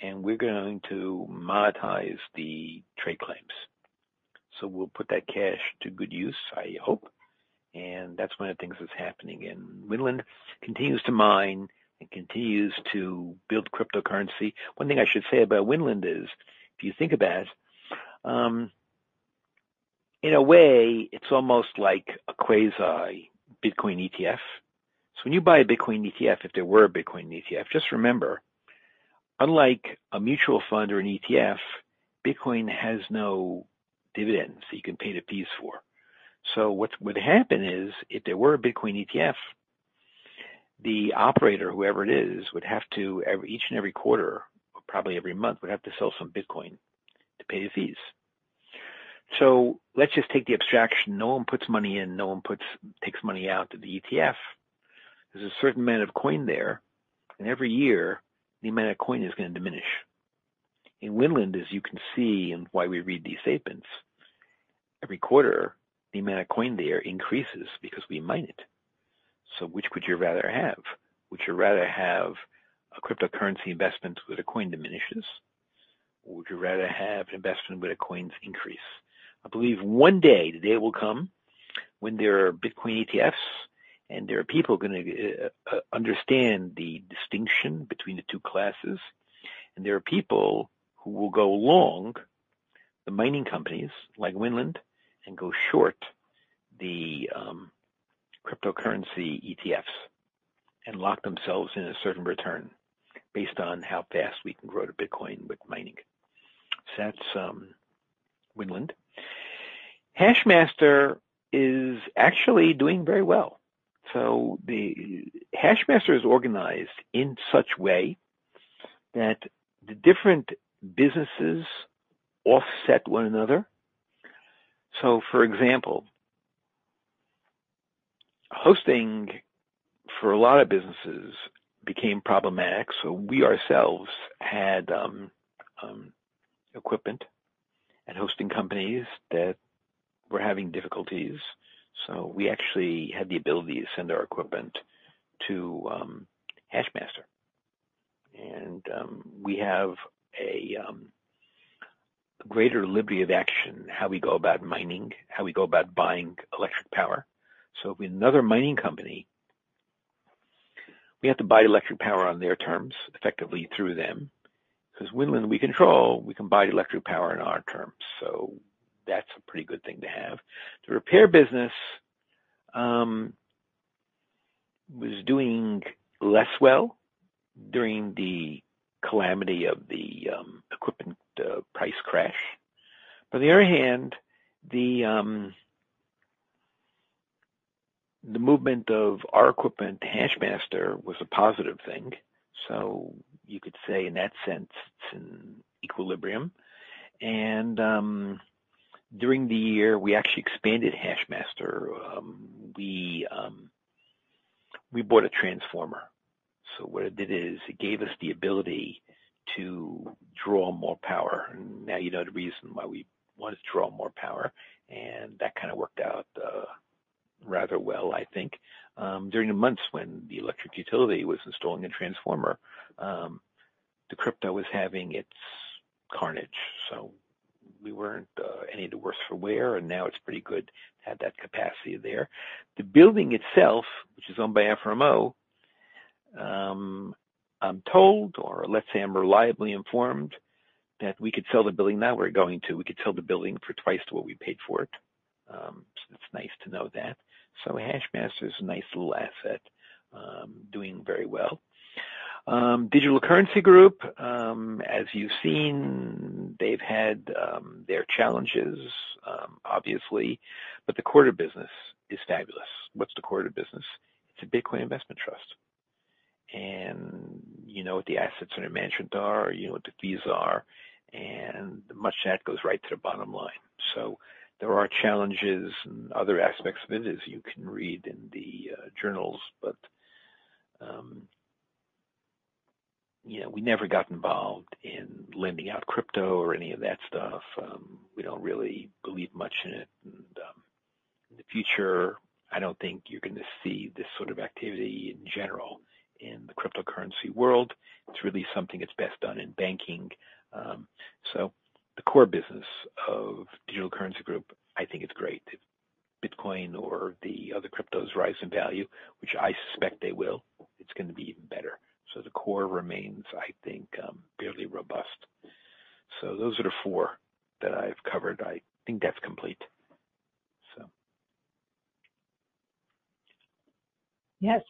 and we're going to monetize the trade claims. We'll put that cash to good use, I hope. That's one of the things that's happening. Winland continues to mine and continues to build cryptocurrency. One thing I should say about Winland is, if you think about it, in a way, it's almost like a quasi Bitcoin ETF. When you buy a Bitcoin ETF, if there were a Bitcoin ETF, just remember, unlike a mutual fund or an ETF, Bitcoin has no dividends that you can pay the fees for. What would happen is, if there were a Bitcoin ETF, the operator, whoever it is, would have to, each and every quarter, or probably every month, would have to sell some Bitcoin to pay the fees. Let's just take the abstraction. No one puts money in, no one takes money out of the ETF. There's a certain amount of coin there, and every year, the amount of coin is gonna diminish. In Winland, as you can see, and why we read these statements, every quarter, the amount of coin there increases because we mine it. Which would you rather have? Would you rather have a cryptocurrency investment where the coin diminishes, or would you rather have investment where the coins increase? I believe one day, the day will come when there are Bitcoin ETFs, and there are people gonna understand the distinction between the two classes, and there are people who will go long the mining companies like Winland and go short the cryptocurrency ETFs and lock themselves in a certain return based on how fast we can grow the Bitcoin with mining. That's Winland. HashMaster is actually doing very well. The HashMaster is organized in such way that the different businesses offset one another. For example, hosting for a lot of businesses became problematic, so we ourselves had equipment and hosting companies that were having difficulties. We actually had the ability to send our equipment to HashMaster. We have a greater liberty of action, how we go about mining, how we go about buying electric power. With another mining company, we have to buy electric power on their terms, effectively through them. 'Cause Winland, we control, we can buy electric power on our terms. That's a pretty good thing to have. The repair business was doing less well during the calamity of the equipment price crash. On the other hand, the movement of our equipment to HashMaster was a positive thing. You could say in that sense, it's in equilibrium. During the year, we actually expanded HashMaster. We bought a transformer. What it did is it gave us the ability to draw more power. You know the reason why we wanted to draw more power, and that kinda worked out rather well, I think. During the months when the electric utility was installing a transformer, the crypto was having its carnage, so we weren't any the worse for wear, and now it's pretty good to have that capacity there. The building itself, which is owned by FRMO Corp., I'm told, or let's say I'm reliably informed that we could sell the building. We could sell the building for twice what we paid for it. It's nice to know that. HashMaster is a nice little asset, doing very well. Digital Currency Group, as you've seen, they've had their challenges, obviously, but the core of business is fabulous. What's the core of business? It's a Bitcoin investment trust. You know what the assets under management are. You know what the fees are, and much of that goes right to the bottom line. There are challenges and other aspects of it, as you can read in the journals. You know, we never got involved in lending out crypto or any of that stuff. We don't really believe much in it. In the future, I don't think you're gonna see this sort of activity in general in the cryptocurrency world. It's really something that's best done in banking. The core business of Digital Currency Group, I think it's great. If Bitcoin or the other cryptos rise in value, which I suspect they will, it's gonna be even better. The core remains, I think, fairly robust. Those are the four that I've covered. I think that's complete. Yes.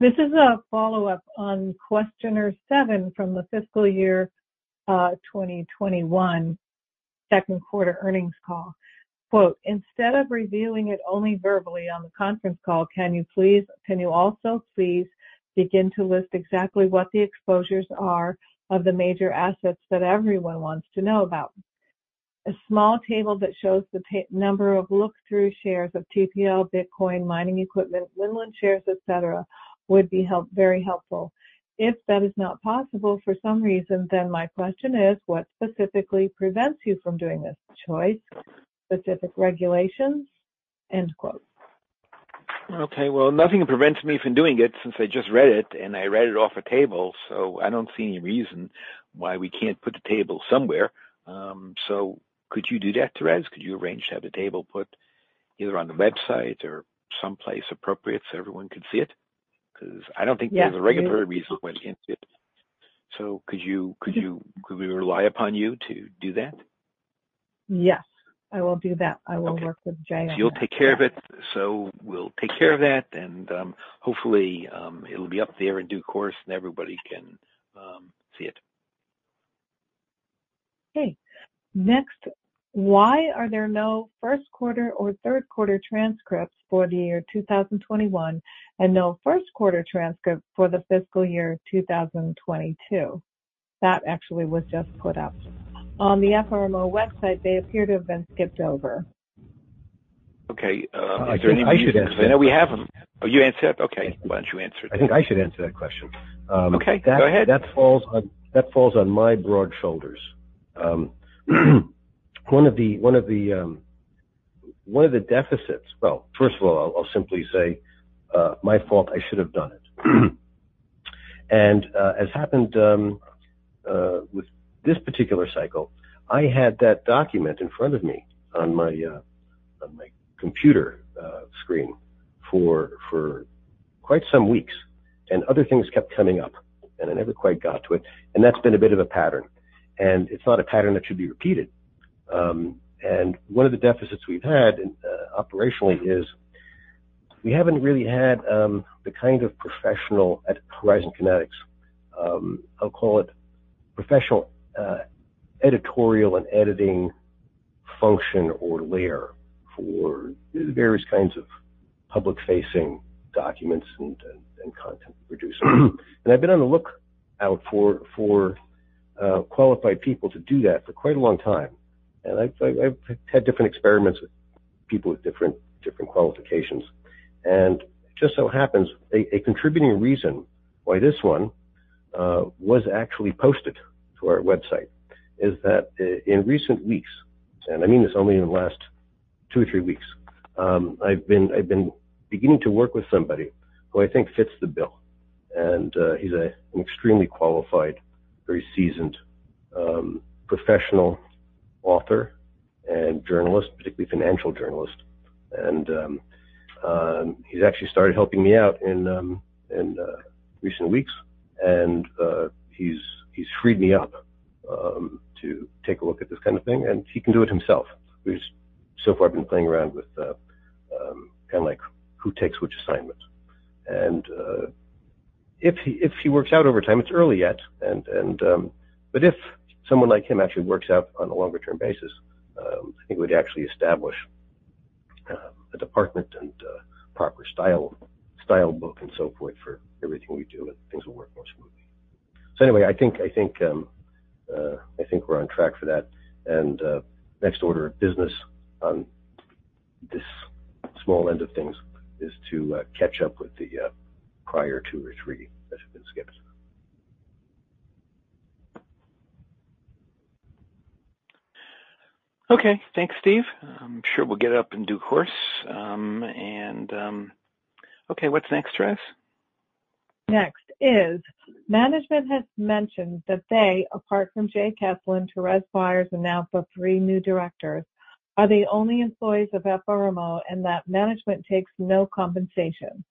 This is a follow-up on questioner 7 from the fiscal year, 2021 second quarter earnings call. Quote, "Instead of revealing it only verbally on the conference call, can you also please begin to list exactly what the exposures are of the major assets that everyone wants to know about? A small table that shows the number of look-through shares of TPL, Bitcoin, mining equipment, Winland shares, et cetera, would be very helpful. If that is not possible for some reason, then my question is, what specifically prevents you from doing this choice? Specific regulations?" End quote. Well, nothing prevents me from doing it since I just read it, and I read it off a table, so I don't see any reason why we can't put the table somewhere. Could you do that, Therese? Could you arrange to have the table put either on the website or someplace appropriate so everyone can see it? I don't think there's a regulatory reason why we can't do it. Could we rely upon you to do that? Yes, I will do that. Okay. I will work with Jay on that. You'll take care of it. We'll take care of that and, hopefully, it'll be up there in due course, and everybody can see it. Okay. Next, why are there no first quarter or third quarter transcripts for the year 2021 and no first quarter transcript for the fiscal year 2022? That actually was just put up. On the FRMO website, they appear to have been skipped over. Okay. Is there any reason- I think I should answer that. I know we have them. Oh, you answered? Okay. Why don't you answer it then. I think I should answer that question. Okay, go ahead. That falls on my broad shoulders. One of the deficits. Well, first of all, I'll simply say, my fault, I should have done it. As happened with this particular cycle, I had that document in front of me on my computer screen for quite some weeks, and other things kept coming up, and I never quite got to it. That's been a bit of a pattern. It's not a pattern that should be repeated. One of the deficits we've had in operationally is we haven't really had the kind of professional at Horizon Kinetics, I'll call it professional, editorial and editing function or layer for the various kinds of public-facing documents and content we produce. I've been on the lookout for qualified people to do that for quite a long time. I've had different experiments with people with different qualifications. It just so happens a contributing reason why this one was actually posted to our website is that in recent weeks, and I mean, it's only in the last 2 or 3 weeks, I've been beginning to work with somebody who I think fits the bill. He's an extremely qualified, very seasoned, professional author and journalist, particularly financial journalist. He's actually started helping me out in recent weeks. He's freed me up to take a look at this kind of thing, and he can do it himself. We've so far been playing around with, kinda like who takes which assignment. If he, if he works out over time, it's early yet and, but if someone like him actually works out on a longer-term basis, I think we'd actually establish a department and a proper style book and so forth for everything we do, and things will work more smoothly. Anyway, I think, I think, I think we're on track for that. Next order of business on this small end of things is to catch up with the prior two or three that have been skipped. Okay. Thanks, Steve. I'm sure we'll get it up in due course. Okay, what's next, Therese? Next is management has mentioned that they, apart from Jay Kesslen, Thérèse Byard, and now for 3 new directors. Are the only employees of FRMO and that management takes no compensation.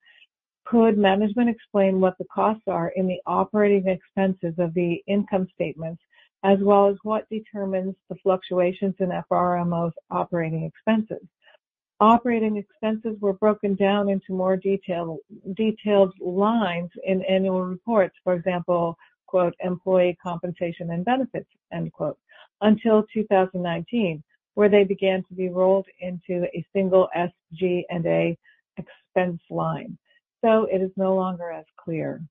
Could management explain what the costs are in the operating expenses of the income statements as well as what determines the fluctuations in FRMO's operating expenses? Operating expenses were broken down into more detail, detailed lines in annual reports. For example, "employee compensation and benefits," until 2019, where they began to be rolled into a single SG&A expense line. So it is no longer as clear.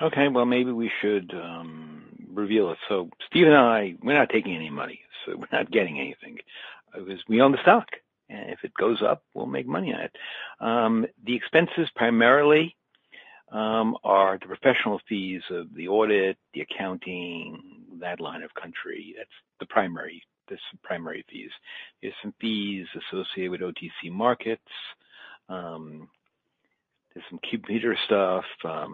Well, maybe we should reveal it. Steve and I, we're not taking any money, so we're not getting anything. We own the stock, and if it goes up, we'll make money on it. The expenses primarily are the professional fees of the audit, the accounting, that line of country. That's the primary. That's the primary fees. There's some fees associated with OTC Markets. There's some computer stuff, to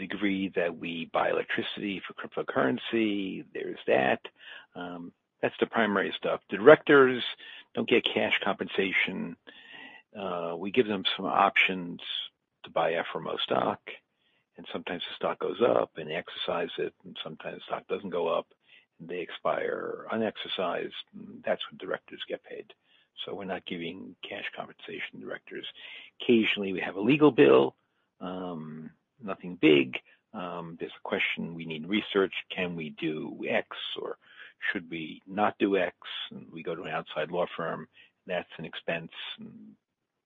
the degree that we buy electricity for cryptocurrency. There's that. That's the primary stuff. Directors don't get cash compensation. We give them some options to buy FRMO stock, and sometimes the stock goes up and they exercise it, and sometimes the stock doesn't go up and they expire unexercised. That's what directors get paid. We're not giving cash compensation to directors. Occasionally, we have a legal bill, nothing big. There's a question we need research. Can we do X or should we not do X? We go to an outside law firm. That's an expense, and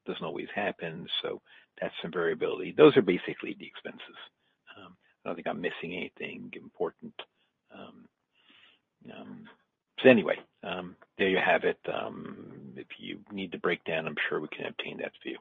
doesn't always happen. That's some variability. Those are basically the expenses. I don't think I'm missing anything important. Anyway, there you have it. If you need the breakdown, I'm sure we can obtain that for you.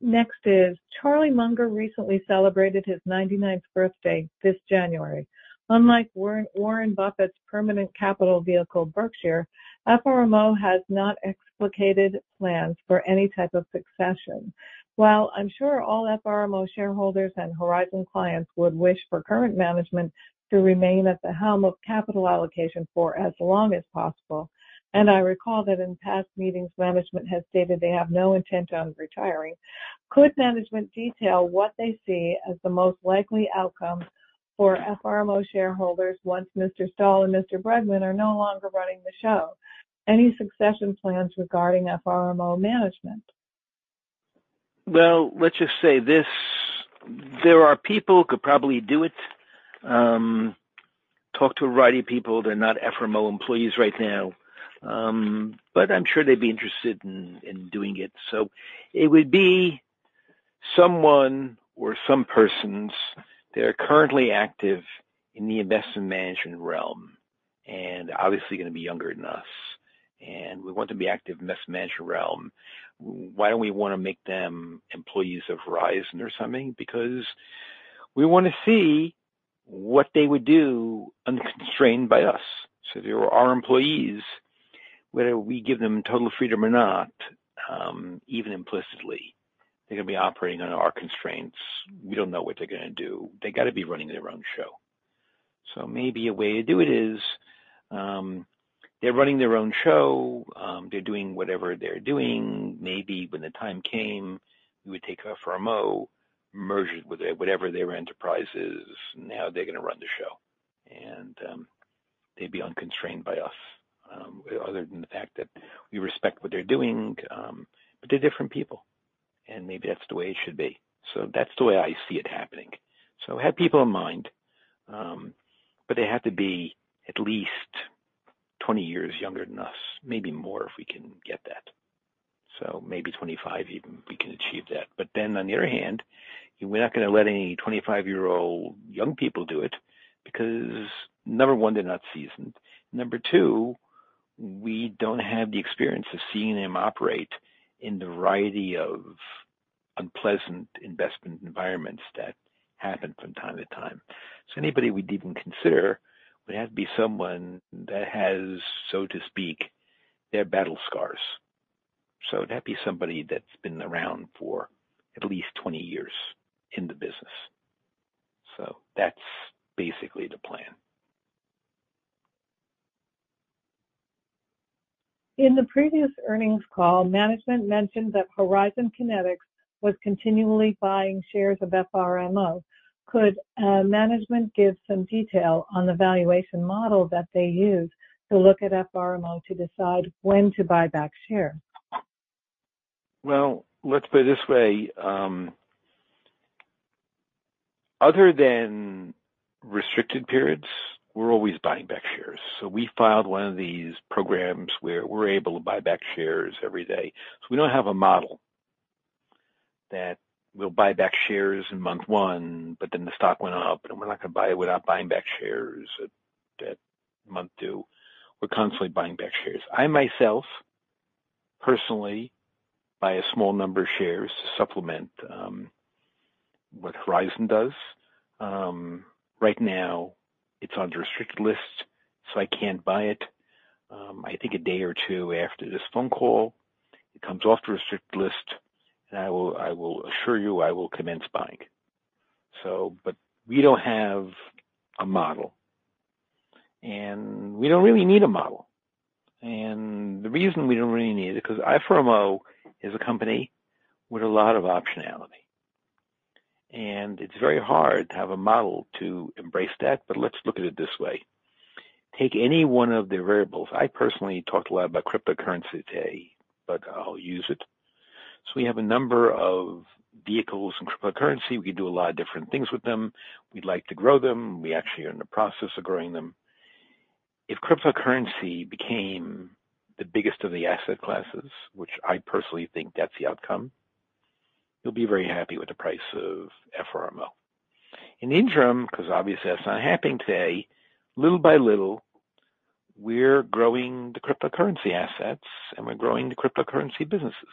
Next is, Charlie Munger recently celebrated his 99th birthday this January. Unlike Warren Buffett's permanent capital vehicle, Berkshire, FRMO has not explicated plans for any type of succession. While I'm sure all FRMO shareholders and Horizon clients would wish for current management to remain at the helm of capital allocation for as long as possible, and I recall that in past meetings, management has stated they have no intent on retiring. Could management detail what they see as the most likely outcome for FRMO shareholders once Mr. Stahl and Mr. Bregman are no longer running the show? Any succession plans regarding FRMO management? Well, let's just say this, there are people who could probably do it. Talk to a variety of people. They're not FRMO employees right now, but I'm sure they'd be interested in doing it. It would be someone or some persons that are currently active in the investment management realm and obviously going to be younger than us, and we want to be active in investment management realm. Why don't we want to make them employees of Horizon or something? We want to see what they would do unconstrained by us. If they were our employees, whether we give them total freedom or not, even implicitly, they're going to be operating under our constraints. We don't know what they're gonna do. They got to be running their own show. Maybe a way to do it is, they're running their own show, they're doing whatever they're doing. Maybe when the time came, we would take FRMO, merge it with whatever their enterprise is and how they're going to run the show. They'd be unconstrained by us, other than the fact that we respect what they're doing. They're different people, and maybe that's the way it should be. That's the way I see it happening. I have people in mind. They have to be at least 20 years younger than us, maybe more, if we can get that. Maybe 25 even, we can achieve that. On the other hand, we're not going to let any 25-year-old young people do it because number 1, they're not seasoned. Number 2, we don't have the experience of seeing them operate in the variety of unpleasant investment environments that happen from time to time. Anybody we'd even consider would have to be someone that has, so to speak, their battle scars. It had to be somebody that's been around for at least 20 years in the business. That's basically the plan. In the previous earnings call, management mentioned that Horizon Kinetics was continually buying shares of FRMO. Could management give some detail on the valuation model that they use to look at FRMO to decide when to buy back shares? Well, let's put it this way. Other than restricted periods, we're always buying back shares. We filed one of these programs where we're able to buy back shares every day. We don't have a model that we'll buy back shares in month one, but then the stock went up and we're not gonna buy it. We're not buying back shares at month two. We're constantly buying back shares. I myself personally buy a small number of shares to supplement what Horizon does. Right now it's on the restricted list, so I can't buy it. I think a day or two after this phone call, it comes off the restricted list. I will assure you I will commence buying. We don't have a model, and we don't really need a model. The reason we don't really need it, 'cause FRMO is a company with a lot of optionality, and it's very hard to have a model to embrace that but let's look at it this way. Take any one of the variables. I personally talked a lot about cryptocurrency today, but I'll use it. We have a number of vehicles in cryptocurrency. We could do a lot of different things with them. We'd like to grow them. We actually are in the process of growing them. If cryptocurrency became the biggest of the asset classes, which I personally think that's the outcome, you'll be very happy with the price of FRMO. In the interim, 'cause obviously that's not happening today, little by little, we're growing the cryptocurrency assets, and we're growing the cryptocurrency businesses.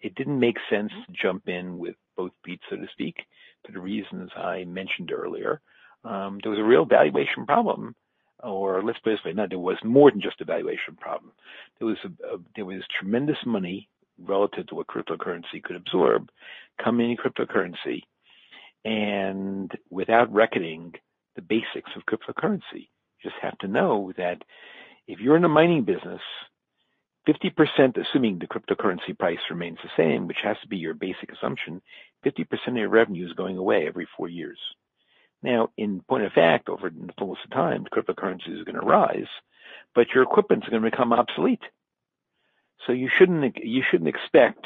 It didn't make sense to jump in with both feet, so to speak, for the reasons I mentioned earlier. There was a real valuation problem, or let's put it this way. No, there was more than just a valuation problem. There was tremendous money relative to what cryptocurrency could absorb coming in cryptocurrency and without reckoning the basics of cryptocurrency. You just have to know that if you're in the mining business, 50%, assuming the cryptocurrency price remains the same, which has to be your basic assumption, 50% of your revenue is going away every 4 years. In point of fact, over most of the time, the cryptocurrency is gonna rise, but your equipment's gonna become obsolete. You shouldn't expect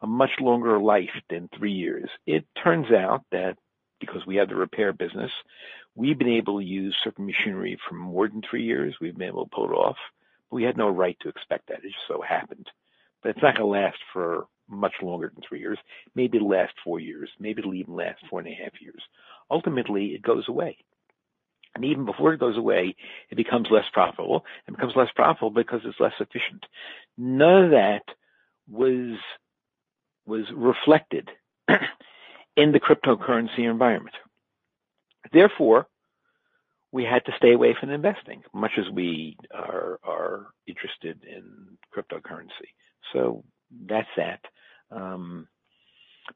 a much longer life than 3 years. It turns out that because we have the repair business, we've been able to use certain machinery for more than 3 years. We've been able to pull it off. We had no right to expect that. It just so happened. It's not gonna last for much longer than 3 years. Maybe it'll last 4 years. Maybe it'll even last 4.5 years. Ultimately, it goes away. Even before it goes away, it becomes less profitable. It becomes less profitable because it's less efficient. None of that was reflected in the cryptocurrency environment. Therefore, we had to stay away from investing, much as we are interested in cryptocurrency. That's that.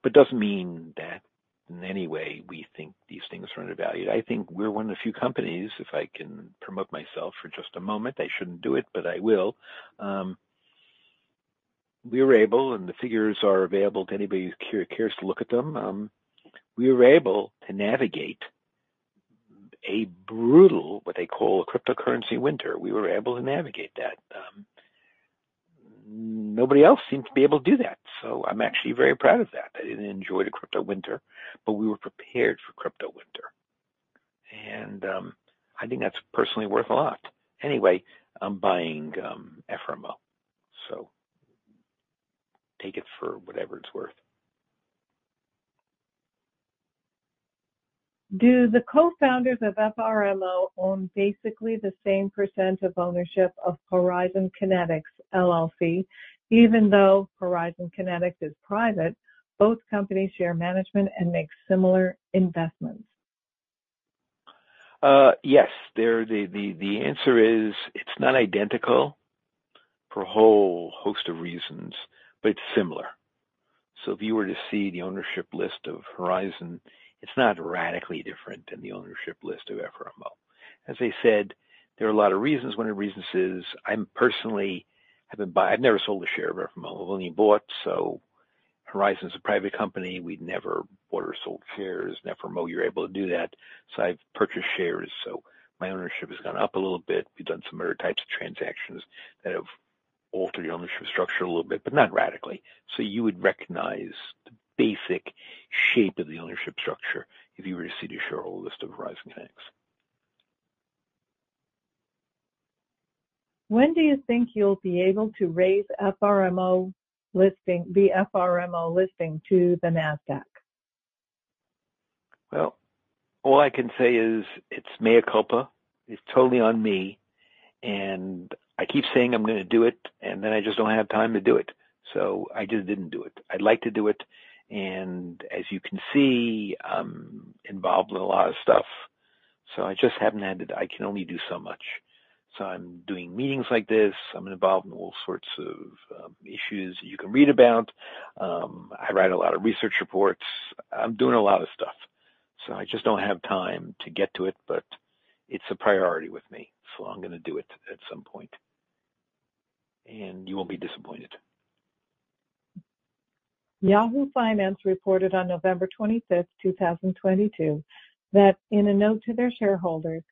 It doesn't mean that in any way we think these things are undervalued. I think we're one of the few companies, if I can promote myself for just a moment. I shouldn't do it, but I will. we were able, and the figures are available to anybody who cares to look at them. we were able to navigate a brutal, what they call a cryptocurrency winter. We were able to navigate that. nobody else seemed to be able to do that, so I'm actually very proud of that. I didn't enjoy the crypto winter, but we were prepared for crypto winter. I think that's personally worth a lot. Anyway, I'm buying, FRMO. take it for whatever it's worth. Do the co-founders of FRMO own basically the same % of ownership of Horizon Kinetics LLC, even though Horizon Kinetics is private, both companies share management and make similar investments? Yes. They're the answer is it's not identical for a whole host of reasons, but it's similar. If you were to see the ownership list of Horizon, it's not radically different than the ownership list of FRMO. As I said, there are a lot of reasons. One of the reasons is I've never sold a share of FRMO. I've only bought. Horizon's a private company. We never bought or sold shares. In FRMO, you're able to do that. I've purchased shares, so my ownership has gone up a little bit. We've done some other types of transactions that have altered the ownership structure a little bit, but not radically. You would recognize the basic shape of the ownership structure if you were to see the shareholder list of Horizon Kinetics. When do you think you'll be able to raise the FRMO listing to the Nasdaq? Well, all I can say is it's mea culpa. It's totally on me. I keep saying I'm gonna do it, and then I just don't have time to do it. I just didn't do it. I'd like to do it. As you can see, I'm involved in a lot of stuff. I can only do so much. I'm doing meetings like this. I'm involved in all sorts of issues you can read about. I write a lot of research reports. I'm doing a lot of stuff. I just don't have time to get to it, but it's a priority with me. I'm gonna do it at some point, and you won't be disappointed. Yahoo Finance reported on November 25, 2022, that in a note to their shareholders,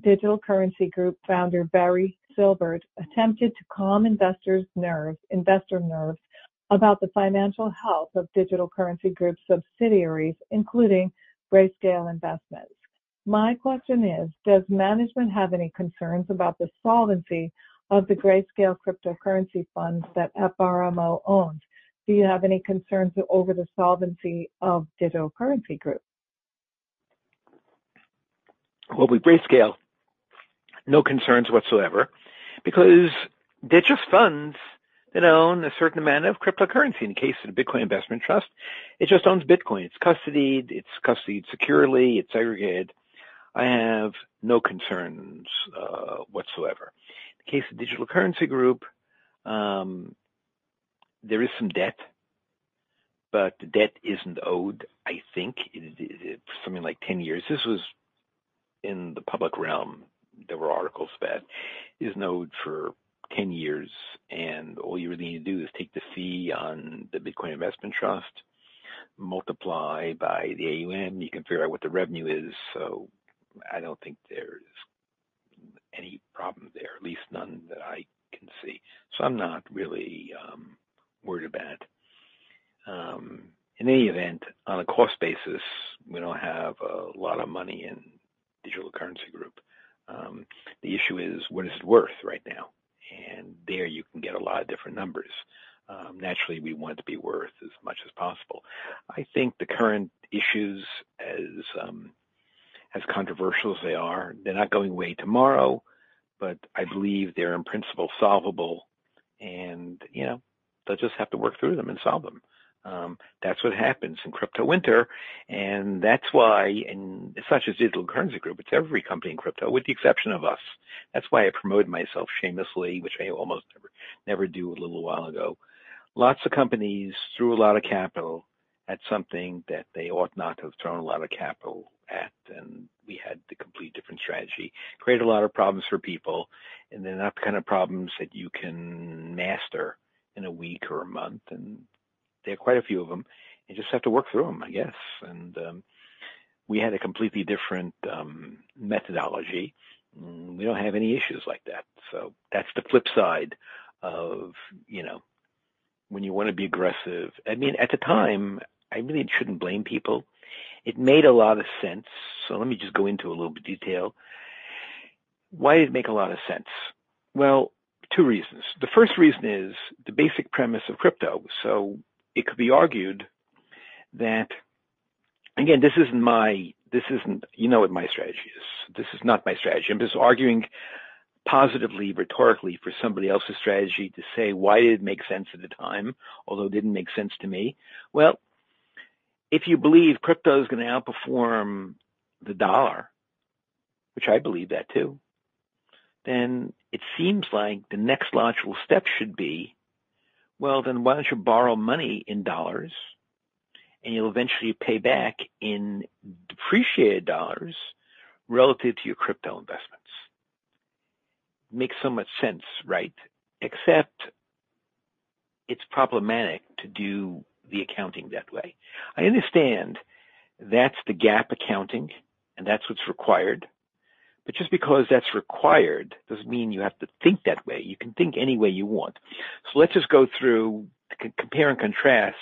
Digital Currency Group founder Barry Silbert attempted to calm investor nerves about the financial health of Digital Currency Group subsidiaries, including Grayscale Investments. My question is, does management have any concerns about the solvency of the Grayscale cryptocurrency funds that FRMO owns? Do you have any concerns over the solvency of Digital Currency Group? Well, with Grayscale, no concerns whatsoever because they're just funds that own a certain amount of cryptocurrency. In the case of Grayscale Bitcoin Trust, it just owns Bitcoin. It's custodied securely, it's segregated. I have no concerns whatsoever. In the case of Digital Currency Group, there is some debt, the debt isn't owed, I think it is, for something like 10 years. This was in the public realm. There were articles that isn't owed for 10 years, all you really need to do is take the fee on the Grayscale Bitcoin Trust, multiply by the AUM, you can figure out what the revenue is. I don't think there's any problem there, at least none that I can see. I'm not really worried about it. In any event, on a cost basis, we don't have a lot of money in Digital Currency Group. The issue is what is it worth right now? There you can get a lot of different numbers. Naturally, we want it to be worth as much as possible. I think the current issues, as controversial as they are, they're not going away tomorrow, but I believe they're in principle solvable. You know, they'll just have to work through them and solve them. That's what happens in crypto winter. It's not just Digital Currency Group, it's every company in crypto, with the exception of us. That's why I promoted myself shamelessly, which I almost never do a little while ago. Lots of companies threw a lot of capital at something that they ought not to have thrown a lot of capital at. We had the complete different strategy. Created a lot of problems for people, and they're not the kind of problems that you can master in a week or a month. There are quite a few of them. You just have to work through them, I guess. We had a completely different methodology. We don't have any issues like that. That's the flip side of when you want to be aggressive. I mean, at the time, I really shouldn't blame people. It made a lot of sense. Let me just go into a little bit detail. Why did it make a lot of sense? Well, two reasons. The first reason is the basic premise of crypto. It could be argued that. Again, this isn't, you know what my strategy is. This is not my strategy. I'm just arguing positively, rhetorically for somebody else's strategy to say, why did it make sense at the time, although it didn't make sense to me. If you believe crypto is going to outperform the dollar, which I believe that too, then it seems like the next logical step should be, well, then why don't you borrow money in dollars, and you'll eventually pay back in depreciated dollars relative to your crypto investments. Makes so much sense, right? Except it's problematic to do the accounting that way. I understand that's the GAAP accounting, and that's what's required. Just because that's required doesn't mean you have to think that way. You can think any way you want. Let's just go through, compare, and contrast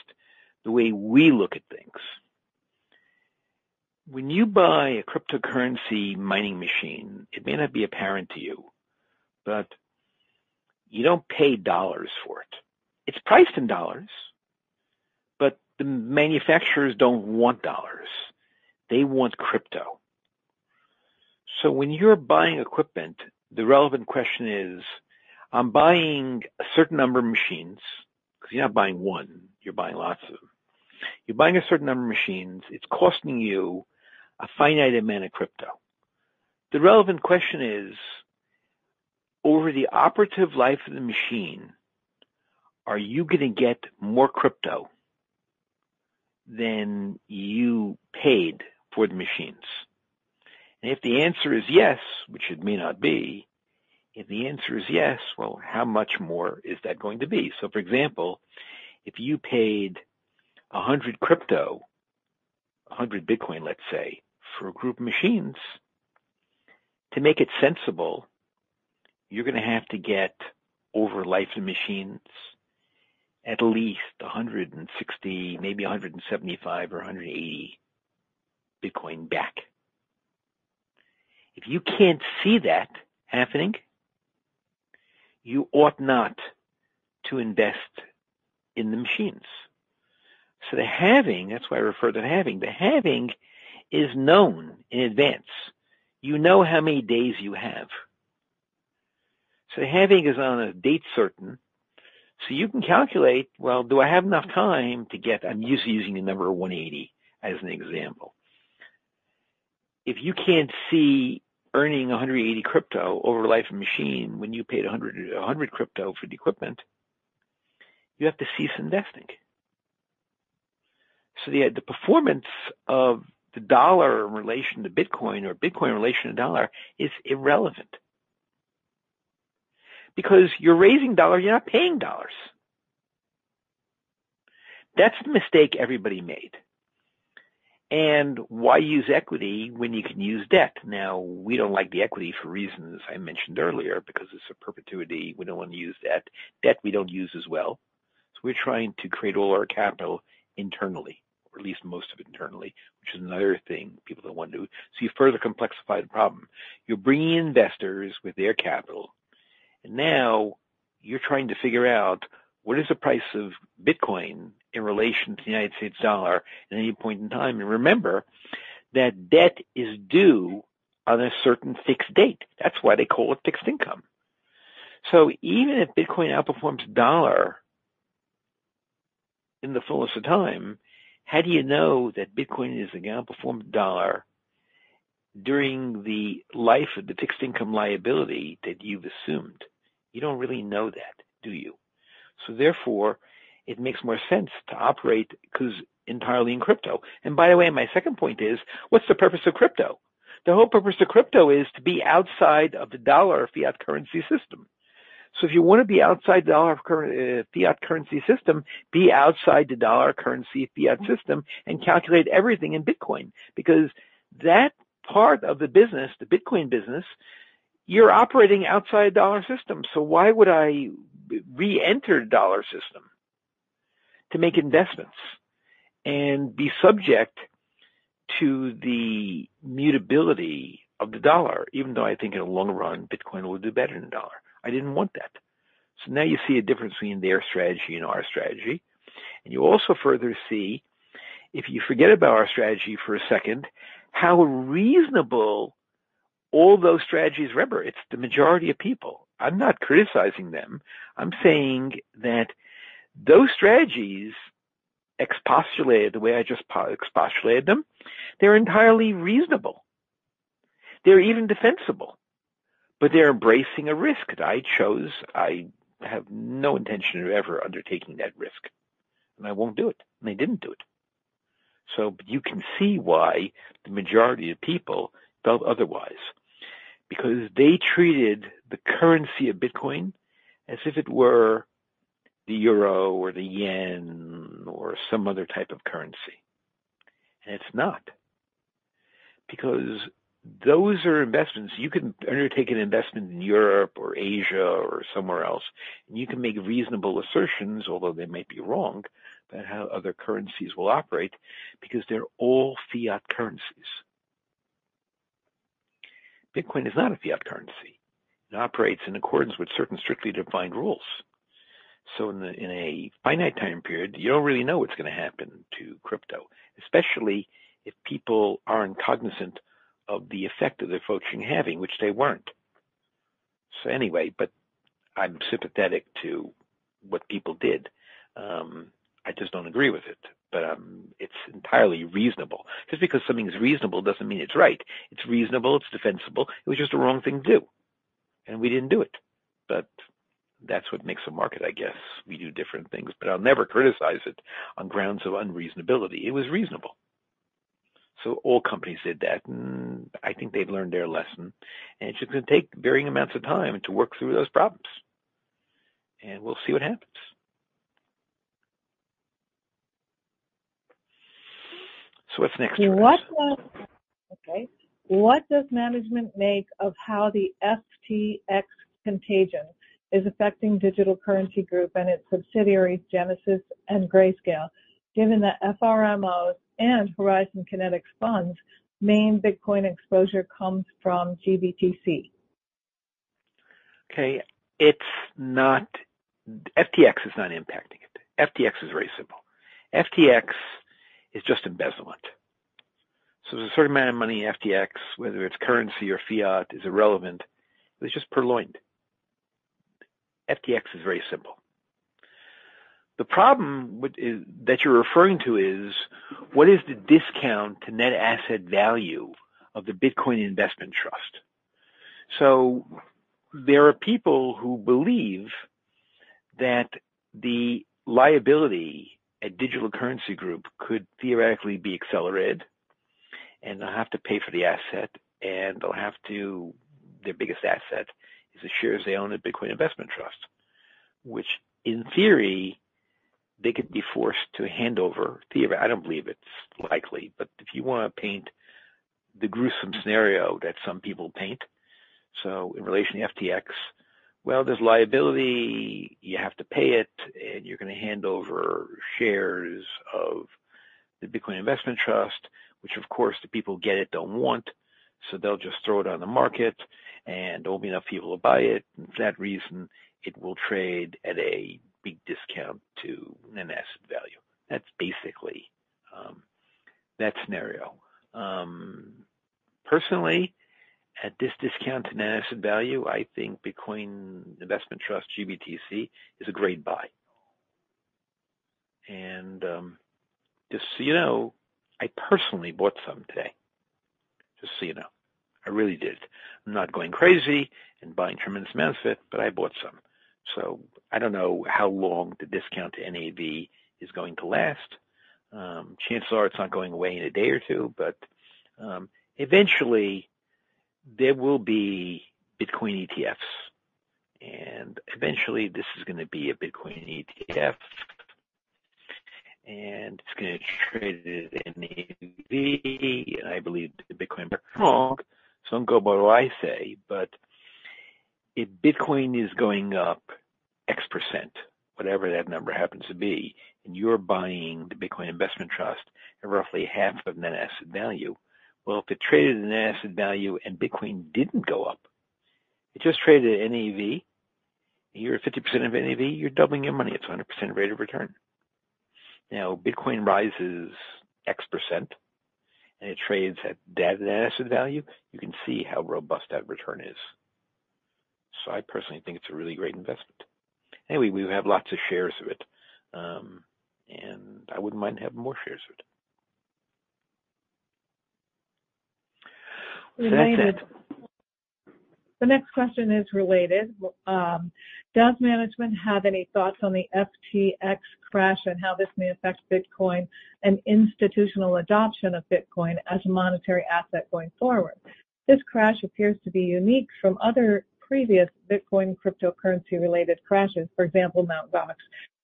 the way we look at things. When you buy a cryptocurrency mining machine, it may not be apparent to you don't pay dollars for it. It's priced in dollars, the manufacturers don't want dollars. They want crypto. When you're buying equipment, the relevant question is, I'm buying a certain number of machines, 'cause you're not buying 1, you're buying lots of them. You're buying a certain number of machines. It's costing you a finite amount of crypto. The relevant question is, over the operative life of the machine, are you gonna get more crypto than you paid for the machines? If the answer is yes, which it may not be, if the answer is yes, well, how much more is that going to be? For example, if you paid 100 crypto, 100 Bitcoin, let's say, for a group of machines, to make it sensible, you're gonna have to get over life of machines at least 160, maybe 175 or 180 Bitcoin back. If you can't see that happening, you ought not to invest in the machines. The halving, that's why I refer to the halving. The halving is known in advance. You know how many days you have. The halving is on a date certain. You can calculate, well, do I have enough time to get... I'm just using the number 180 as an example. If you can't see earning 180 crypto over the life of a machine when you paid 100 crypto for the equipment, you have to cease investing. The performance of the dollar in relation to Bitcoin or Bitcoin in relation to dollar is irrelevant. You're raising dollars, you're not paying dollars. That's the mistake everybody made. Why use equity when you can use debt? We don't like the equity for reasons I mentioned earlier, because it's a perpetuity. We don't want to use debt. Debt we don't use as well. We're trying to create all our capital internally, or at least most of it internally, which is another thing people don't want to do. You further complexify the problem. You're bringing investors with their capital, now you're trying to figure out what is the price of Bitcoin in relation to the United States dollar at any point in time. Remember that debt is due on a certain fixed date. That's why they call it fixed income. Even if Bitcoin outperforms dollar. In the fullness of time, how do you know that Bitcoin is going to outperform the dollar during the life of the fixed income liability that you've assumed? You don't really know that, do you? Therefore, it makes more sense to operate entirely in crypto. By the way, my second point is, what's the purpose of crypto? The whole purpose of crypto is to be outside of the dollar fiat currency system. If you want to be outside the dollar fiat currency system, be outside the dollar currency fiat system and calculate everything in Bitcoin. That part of the business, the Bitcoin business, you're operating outside dollar system. Why would I re-enter dollar system to make investments and be subject to the mutability of the dollar, even though I think in the long run, Bitcoin will do better than dollar. I didn't want that. Now you see a difference between their strategy and our strategy. You also further see, if you forget about our strategy for a second, how reasonable all those strategies. Remember, it's the majority of people. I'm not criticizing them. I'm saying that those strategies expostulated the way I just expostulated them, they're entirely reasonable. They're even defensible, but they're embracing a risk that I chose. I have no intention of ever undertaking that risk, and I won't do it, and I didn't do it. You can see why the majority of people felt otherwise, because they treated the currency of Bitcoin as if it were the euro or the yen or some other type of currency. It's not, because those are investments. You can undertake an investment in Europe or Asia or somewhere else, and you can make reasonable assertions, although they might be wrong, about how other currencies will operate because they're all fiat currencies. Bitcoin is not a fiat currency. It operates in accordance with certain strictly defined rules. In a, in a finite time period, you don't really know what's going to happen to crypto, especially if people aren't cognizant of the effect that they're floating having, which they weren't. Anyway, but I'm sympathetic to what people did. I just don't agree with it. It's entirely reasonable. Just because something is reasonable doesn't mean it's right. It's reasonable, it's defensible. It was just the wrong thing to do, and we didn't do it. That's what makes a market, I guess. We do different things. I'll never criticize it on grounds of unreasonability. It was reasonable. All companies did that, and I think they've learned their lesson. It's just gonna take varying amounts of time to work through those problems, and we'll see what happens. What's next? What does management make of how the FTX contagion is affecting Digital Currency Group and its subsidiaries, Genesis and Grayscale, given that FRMOs and Horizon Kinetics funds' main Bitcoin exposure comes from GBTC? Okay. It's not. FTX is not impacting it. FTX is very simple. FTX is just embezzlement. There's a certain amount of money in FTX, whether it's currency or fiat is irrelevant. It's just purloined. FTX is very simple. The problem that you're referring to is what is the discount to net asset value of the Bitcoin Investment Trust? There are people who believe that the liability at Digital Currency Group could theoretically be accelerated, and they'll have to pay for the asset. Their biggest asset is the shares they own at Bitcoin Investment Trust, which in theory, they could be forced to hand over. Theoretically. I don't believe it's likely. If you want to paint the gruesome scenario that some people paint, in relation to FTX, well, there's liability. You have to pay it, and you're going to hand over shares of the Bitcoin Investment Trust, which of course, the people who get it don't want. They'll just throw it on the market, and there won't be enough people to buy it. For that reason, it will trade at a big discount to net asset value. That's basically that scenario. Personally, at this discount to net asset value, I think Bitcoin Investment Trust, GBTC, is a great buy. Just so you know, I personally bought some today. Just so you know. I really did. I'm not going crazy and buying tremendous amounts of it, but I bought some. I don't know how long the discount to NAV is going to last. Chances are it's not going away in a day or two. Eventually there will be Bitcoin ETFs, eventually this is gonna be a Bitcoin ETF, and it's gonna trade at NAV. I believe the Bitcoin some go by what I say. If Bitcoin is going up X%, whatever that number happens to be, and you're buying the Bitcoin Investment Trust at roughly half of net asset value, well, if it traded at net asset value and Bitcoin didn't go up, it just traded at NAV, and you're at 50% of NAV, you're doubling your money. It's 100% rate of return. Bitcoin rises X% and it trades at that net asset value, you can see how robust that return is. I personally think it's a really great investment. Anyway, we have lots of shares of it, and I wouldn't mind having more shares of it. Related. That's it. The next question is related. Does management have any thoughts on the FTX crash and how this may affect Bitcoin and institutional adoption of Bitcoin as a monetary asset going forward? This crash appears to be unique from other previous Bitcoin cryptocurrency-related crashes. For example, Mt. Gox,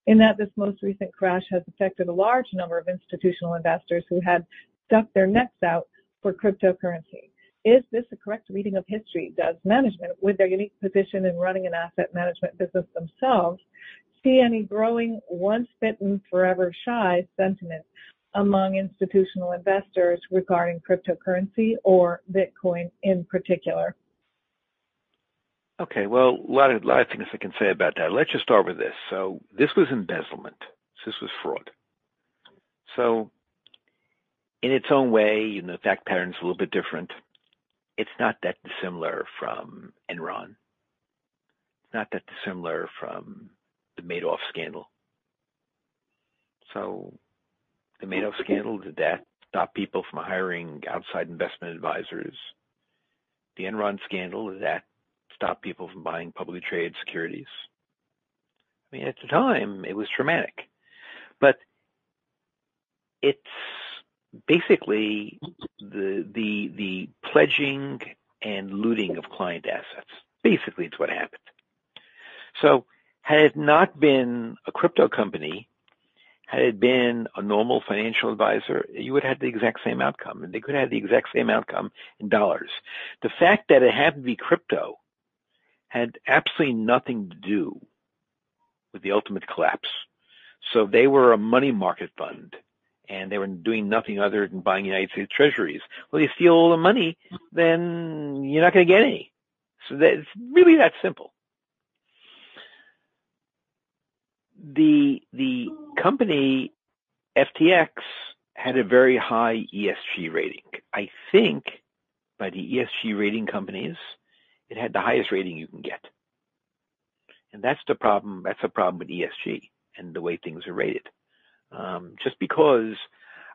in that this most recent crash has affected a large number of institutional investors who had stuck their necks out for cryptocurrency. Is this a correct reading of history? Does management, with their unique position in running an asset management business themselves, see any growing once bitten forever shy sentiment among institutional investors regarding cryptocurrency or Bitcoin in particular? Okay, well, a lot of, lot of things I can say about that. Let's just start with this. This was embezzlement. This was fraud. In its own way, even the fact pattern's a little bit different. It's not that dissimilar from Enron. It's not that dissimilar from the Madoff scandal. The Madoff scandal, did that stop people from hiring outside investment advisors? The Enron scandal, did that stop people from buying publicly traded securities? I mean, at the time it was traumatic, but it's basically the, the pledging and looting of client assets. Basically, it's what happened. Had it not been a crypto company, had it been a normal financial advisor, you would have the exact same outcome, and they could have the exact same outcome in dollars. The fact that it had to be crypto had absolutely nothing to do with the ultimate collapse. If they were a money market fund and they were doing nothing other than buying United States treasuries, well, you steal all the money, then you're not gonna get any. It's really that simple. The company, FTX, had a very high ESG rating. I think by the ESG rating companies, it had the highest rating you can get. That's the problem. That's the problem with ESG and the way things are rated. Just because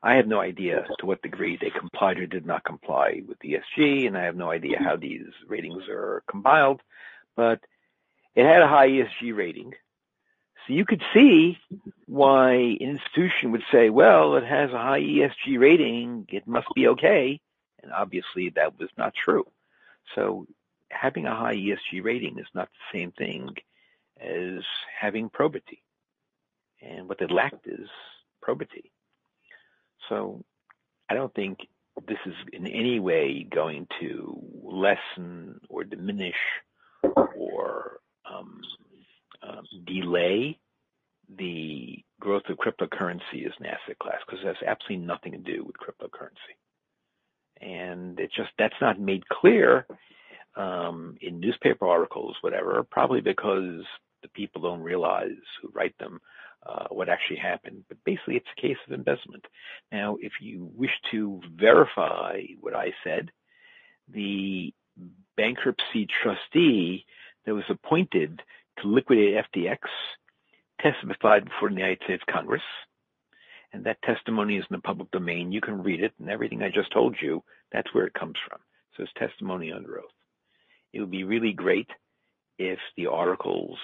I have no idea as to what degree they complied or did not comply with ESG, and I have no idea how these ratings are compiled, but it had a high ESG rating. You could see why an institution would say, "Well, it has a high ESG rating, it must be okay." Obviously that was not true. Having a high ESG rating is not the same thing as having probity. What they lacked is probity. I don't think this is in any way going to lessen or diminish or delay the growth of cryptocurrency as an asset class, 'cause it has absolutely nothing to do with cryptocurrency. That's not made clear in newspaper articles, whatever, probably because the people don't realize who write them, what actually happened. Basically, it's a case of embezzlement. If you wish to verify what I said, the bankruptcy trustee that was appointed to liquidate FTX testified before the United States Congress, and that testimony is in the public domain. You can read it and everything I just told you, that's where it comes from. It's testimony under oath. It would be really great if the articles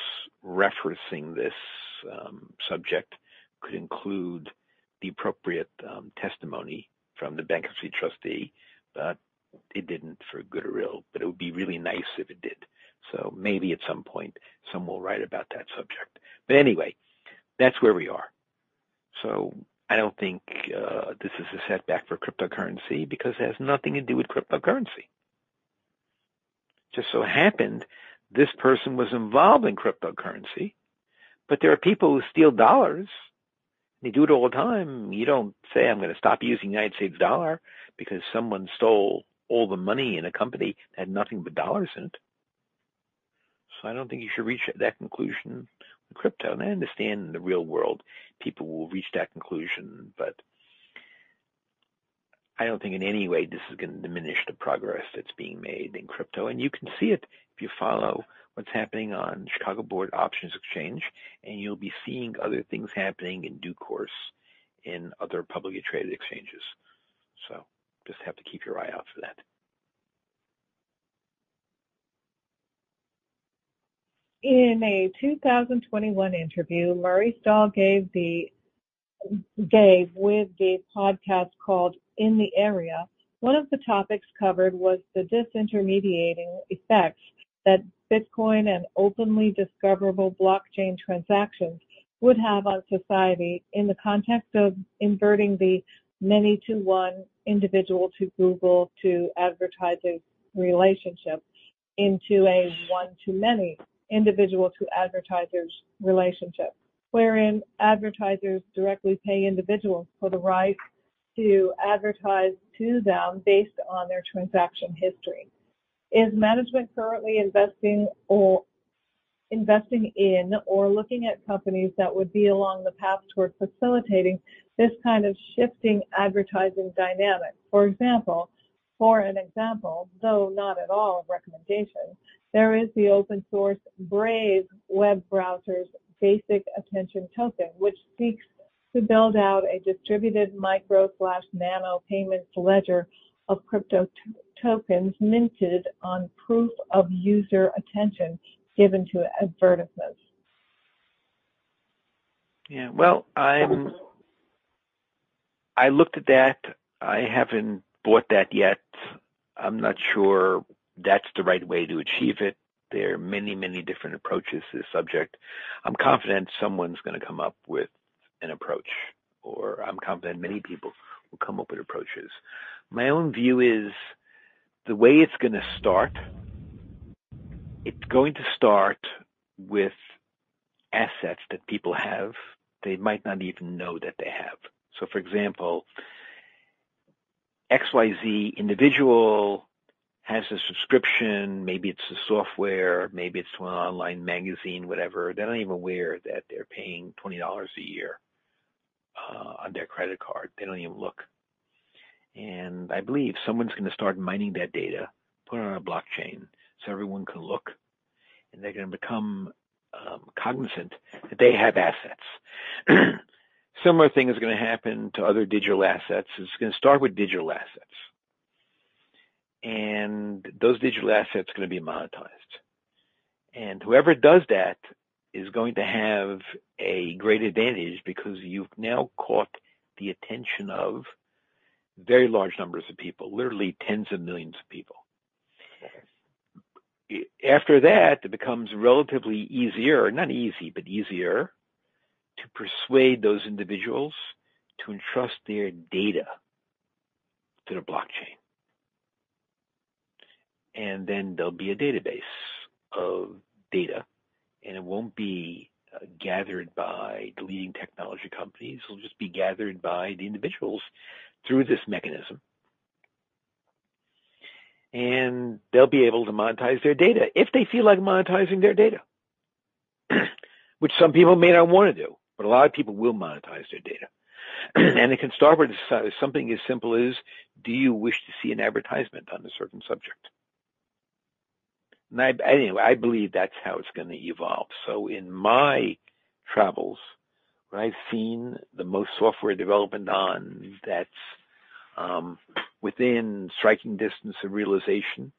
referencing this subject could include the appropriate testimony from the bankruptcy trustee, but it didn't, for good or ill. It would be really nice if it did. Maybe at some point, someone will write about that subject. Anyway, that's where we are. I don't think this is a setback for cryptocurrency because it has nothing to do with cryptocurrency. Just so happened this person was involved in cryptocurrency. There are people who steal dollars, and they do it all the time. You don't say, "I'm gonna stop using United States dollar because someone stole all the money in a company that had nothing but dollars in it." I don't think you should reach that conclusion with crypto. I understand in the real world people will reach that conclusion. I don't think in any way this is gonna diminish the progress that's being made in crypto. You can see it if you follow what's happening on Chicago Board Options Exchange, and you'll be seeing other things happening in due course in other publicly traded exchanges. Just have to keep your eye out for that. In a 2021 interview, Murray Stahl gave with the podcast called In the Arena, one of the topics covered was the disintermediating effects that Bitcoin and openly discoverable blockchain transactions would have on society in the context of inverting the many to one individual to Google to advertisers relationship into a one to many individual to advertisers relationship, wherein advertisers directly pay individuals for the right to advertise to them based on their transaction history. Is management currently investing or looking at companies that would be along the path towards facilitating this kind of shifting advertising dynamic. For example, though not at all a recommendation, there is the open source Brave web browser's Basic Attention Token, which seeks to build out a distributed micro/nano payments ledger of crypto tokens minted on proof of user attention given to advertisements. Yeah. Well, I looked at that. I haven't bought that yet. I'm not sure that's the right way to achieve it. There are many, many different approaches to the subject. I'm confident someone's gonna come up with an approach, or I'm confident many people will come up with approaches. My own view is the way it's gonna start, it's going to start with assets that people have, they might not even know that they have. For example, XYZ individual has a subscription, maybe it's a software, maybe it's to an online magazine, whatever. They're not even aware that they're paying $20 a year on their credit card. They don't even look. I believe someone's gonna start mining that data, put it on a blockchain so everyone can look, and they're gonna become cognizant that they have assets. Similar thing is gonna happen to other digital assets. It's gonna start with digital assets. Those digital assets are gonna be monetized. Whoever does that is going to have a great advantage because you've now caught the attention of very large numbers of people, literally tens of millions of people. Yes. After that, it becomes relatively easier, not easy, but easier to persuade those individuals to entrust their data to the blockchain. Then there'll be a database of data, and it won't be gathered by the leading technology companies. It'll just be gathered by the individuals through this mechanism. They'll be able to monetize their data if they feel like monetizing their data, which some people may not wanna do, but a lot of people will monetize their data. It can start with something as simple as do you wish to see an advertisement on a certain subject? Anyway, I believe that's how it's gonna evolve. In my travels, what I've seen the most software development on that's within striking distance of realization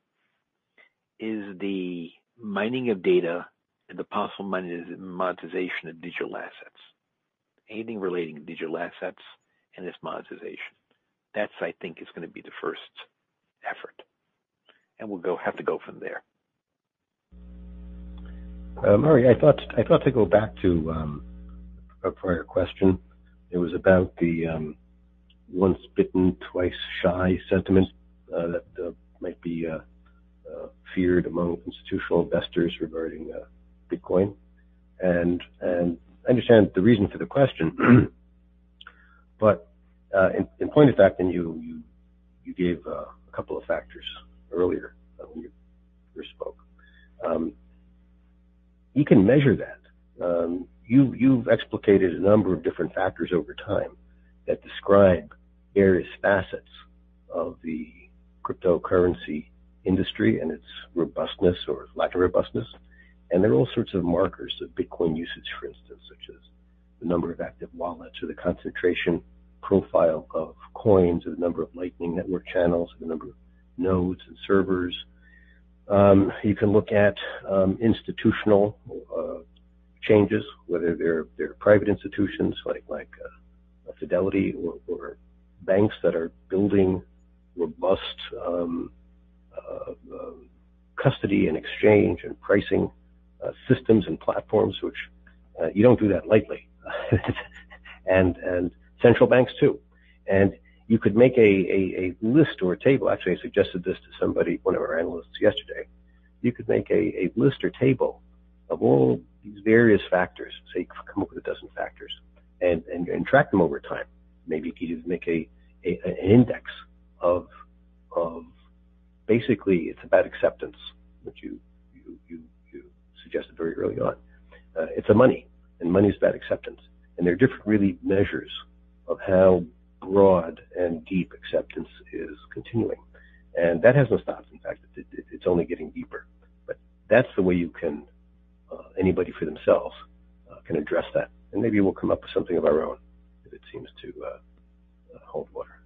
is the mining of data and the possible monetization of digital assets. Anything relating to digital assets and its monetization. That's I think is gonna be the first effort, and we'll have to go from there. Murray, I thought to go back to a prior question. It was about the once bitten, twice shy sentiment that might be feared among institutional investors regarding Bitcoin. I understand the reason for the question, but in point of fact, and you gave a couple of factors earlier when you first spoke. You can measure that. You've explicated a number of different factors over time that describe various facets of the cryptocurrency industry and its robustness or lack of robustness. There are all sorts of markers of Bitcoin usage, for instance, such as the number of active wallets or the concentration profile of coins, or the number of Lightning Network channels, or the number of nodes and servers. You can look at institutional changes, whether they're private institutions like a Fidelity or banks that are building robust custody and exchange and pricing systems and platforms, which you don't do that lightly. Central banks too. You could make a list or a table. Actually, I suggested this to somebody, one of our analysts yesterday. You could make a list or table of all these various factors. Say you come up with a dozen factors and track them over time. Maybe you could even make an index of basically it's about acceptance, which you suggested very early on. It's a money, and money is about acceptance. There are different really measures of how broad and deep acceptance is continuing. That has no stops, in fact. It's only getting deeper. That's the way you can, anybody for themselves, can address that. Maybe we'll come up with something of our own if it seems to hold water.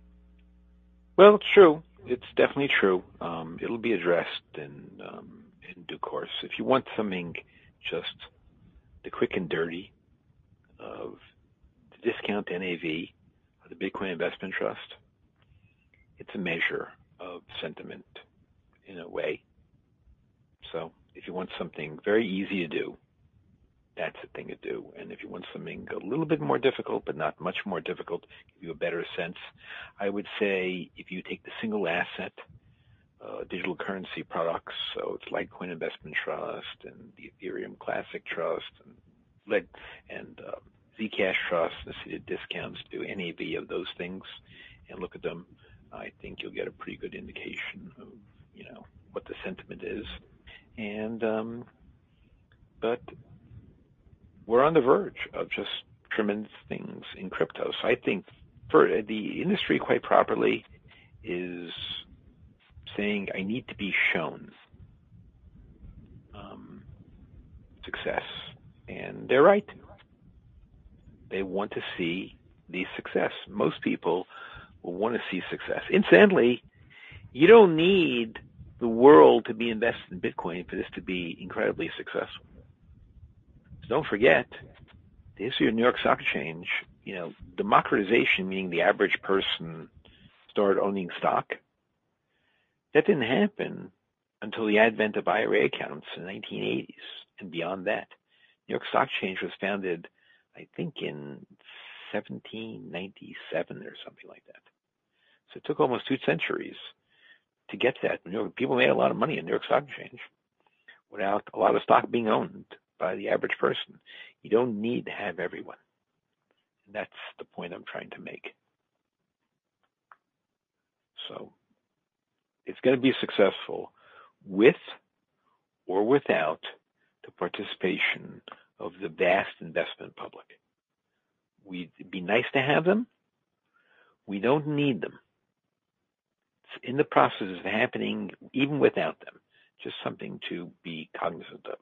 Well, true. It's definitely true. It'll be addressed in due course. If you want something, just the quick and dirty of the discount NAV of the Grayscale Bitcoin Trust, it's a measure of sentiment in a way. If you want something very easy to do, that's a thing to do. If you want something a little bit more difficult but not much more difficult, give you a better sense, I would say if you take the single asset, digital currency products, so it's like Coin Investment Trust and the Ethereum Classic Trust and Zcash trusts, the discounts to any of those things and look at them, I think you'll get a pretty good indication of what the sentiment is. We're on the verge of just tremendous things in crypto. I think the industry, quite properly, is saying, "I need to be shown success." They're right. They want to see the success. Most people will wanna see success. Incidentally, you don't need the world to be invested in Bitcoin for this to be incredibly successful. Don't forget the history of New York Stock exchange democratization, meaning the average person started owning stock. That didn't happen until the advent of IRA accounts in the 1980s and beyond that. New York Stock Exchange was founded, I think, in 1797 or something like that. It took almost two centuries to get that. You know, people made a lot of money in New York Stock Exchange without a lot of stock being owned by the average person. You don't need to have everyone, and that's the point I'm trying to make. It's gonna be successful with or without the participation of the vast investment public. It'd be nice to have them. We don't need them. In the process, it's happening even without them. Just something to be cognizant of.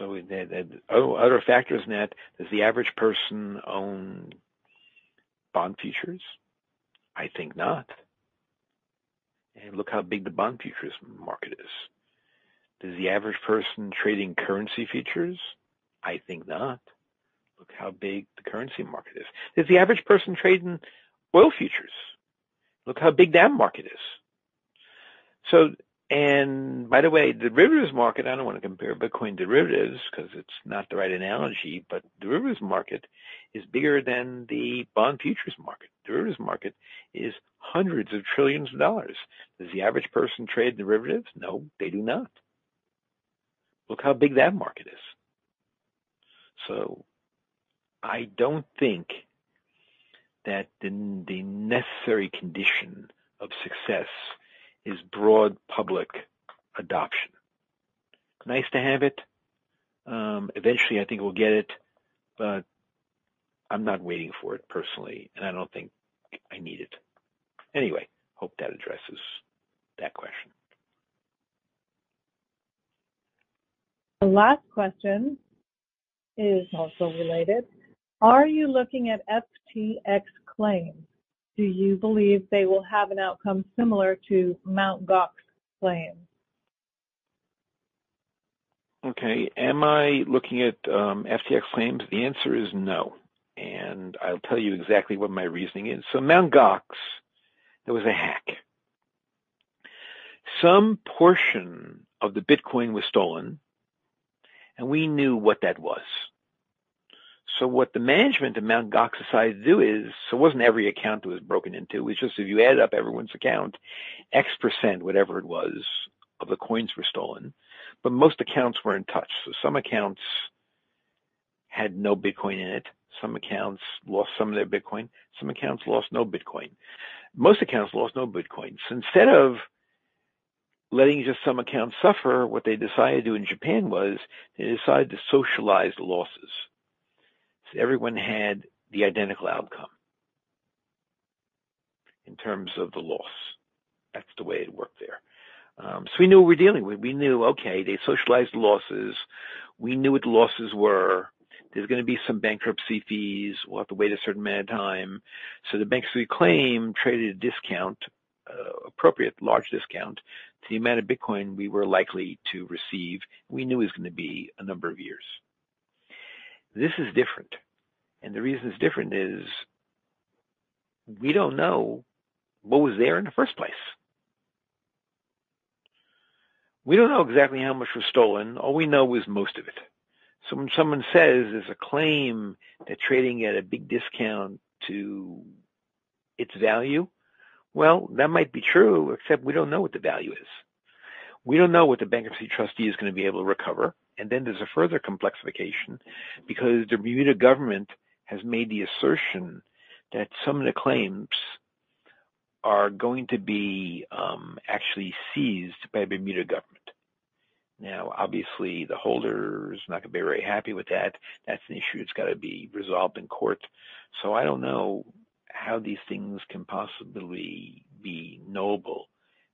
Other factors in that, does the average person own bond futures? I think not. Look how big the bond futures market is. Does the average person trade in currency futures? I think not. Look how big the currency market is. Does the average person trade in oil futures? Look how big that market is. By the way, derivatives market, I don't wanna compare Bitcoin derivatives because it's not the right analogy, but derivatives market is bigger than the bond futures market. Derivatives market is hundreds of trillions of dollars. Does the average person trade derivatives? No, they do not. Look how big that market is. I don't think that the necessary condition of success is broad public adoption. Nice to have it. Eventually, I think we'll get it, but I'm not waiting for it personally, and I don't think I need it. Hope that addresses that question. The last question is also related: Are you looking at FTX claims? Do you believe they will have an outcome similar to Mt. Gox claims? Okay. Am I looking at FTX claims? The answer is no, I'll tell you exactly what my reasoning is. Mt. Gox, there was a hack. Some portion of the Bitcoin was stolen, we knew what that was. What the management of Mt. Gox decided to do is. It wasn't every account that was broken into. It's just if you add up everyone's account, X%, whatever it was, of the coins were stolen, most accounts were untouched. Some accounts had no Bitcoin in it. Some accounts lost some of their Bitcoin. Some accounts lost no Bitcoin. Most accounts lost no Bitcoin. Instead of letting just some accounts suffer, what they decided to do in Japan was they decided to socialize the losses, so everyone had the identical outcome in terms of the loss. That's the way it worked there. We knew what we're dealing with. We knew, okay, they socialized the losses. We knew what the losses were. There's gonna be some bankruptcy fees. We'll have to wait a certain amount of time. The bankruptcy claim traded a discount, appropriate large discount to the amount of Bitcoin we were likely to receive. We knew it was gonna be a number of years. This is different, and the reason it's different is we don't know what was there in the first place. We don't know exactly how much was stolen. All we know is most of it. When someone says there's a claim, they're trading at a big discount to its value, well, that might be true, except we don't know what the value is. We don't know what the bankruptcy trustee is gonna be able to recover. Then there's a further complexification because the Bermuda government has made the assertion that some of the claims are going to be, actually seized by the Bermuda government. Now, obviously, the holder is not gonna be very happy with that. That's an issue that's gotta be resolved in court. I don't know how these things can possibly be knowable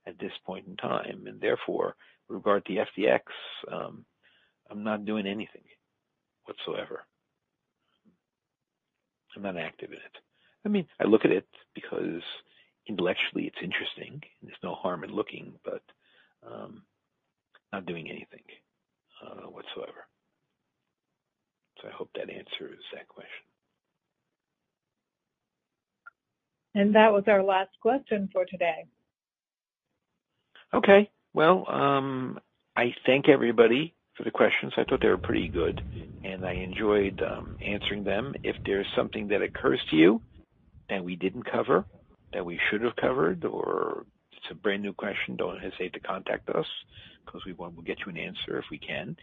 at this point in time. Therefore, regard to the FTX, I'm not doing anything whatsoever. I'm not active in it. I mean, I look at it because intellectually it's interesting, and there's no harm in looking, but, not doing anything whatsoever. I hope that answers that question. That was our last question for today. Okay. Well, I thank everybody for the questions. I thought they were pretty good, and I enjoyed answering them. If there's something that occurs to you that we didn't cover, that we should have covered, or it's a brand-new question, don't hesitate to contact us 'cause we will get you an answer if we can.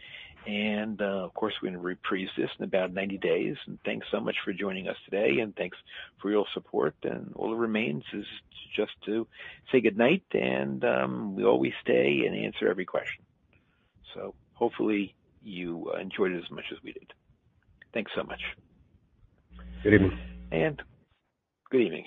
Of course, we're gonna reprise this in about 90 days. Thanks so much for joining us today, and thanks for your support. All that remains is just to say good night, and we always stay and answer every question. Hopefully you enjoyed it as much as we did. Thanks so much. Good evening. Good evening.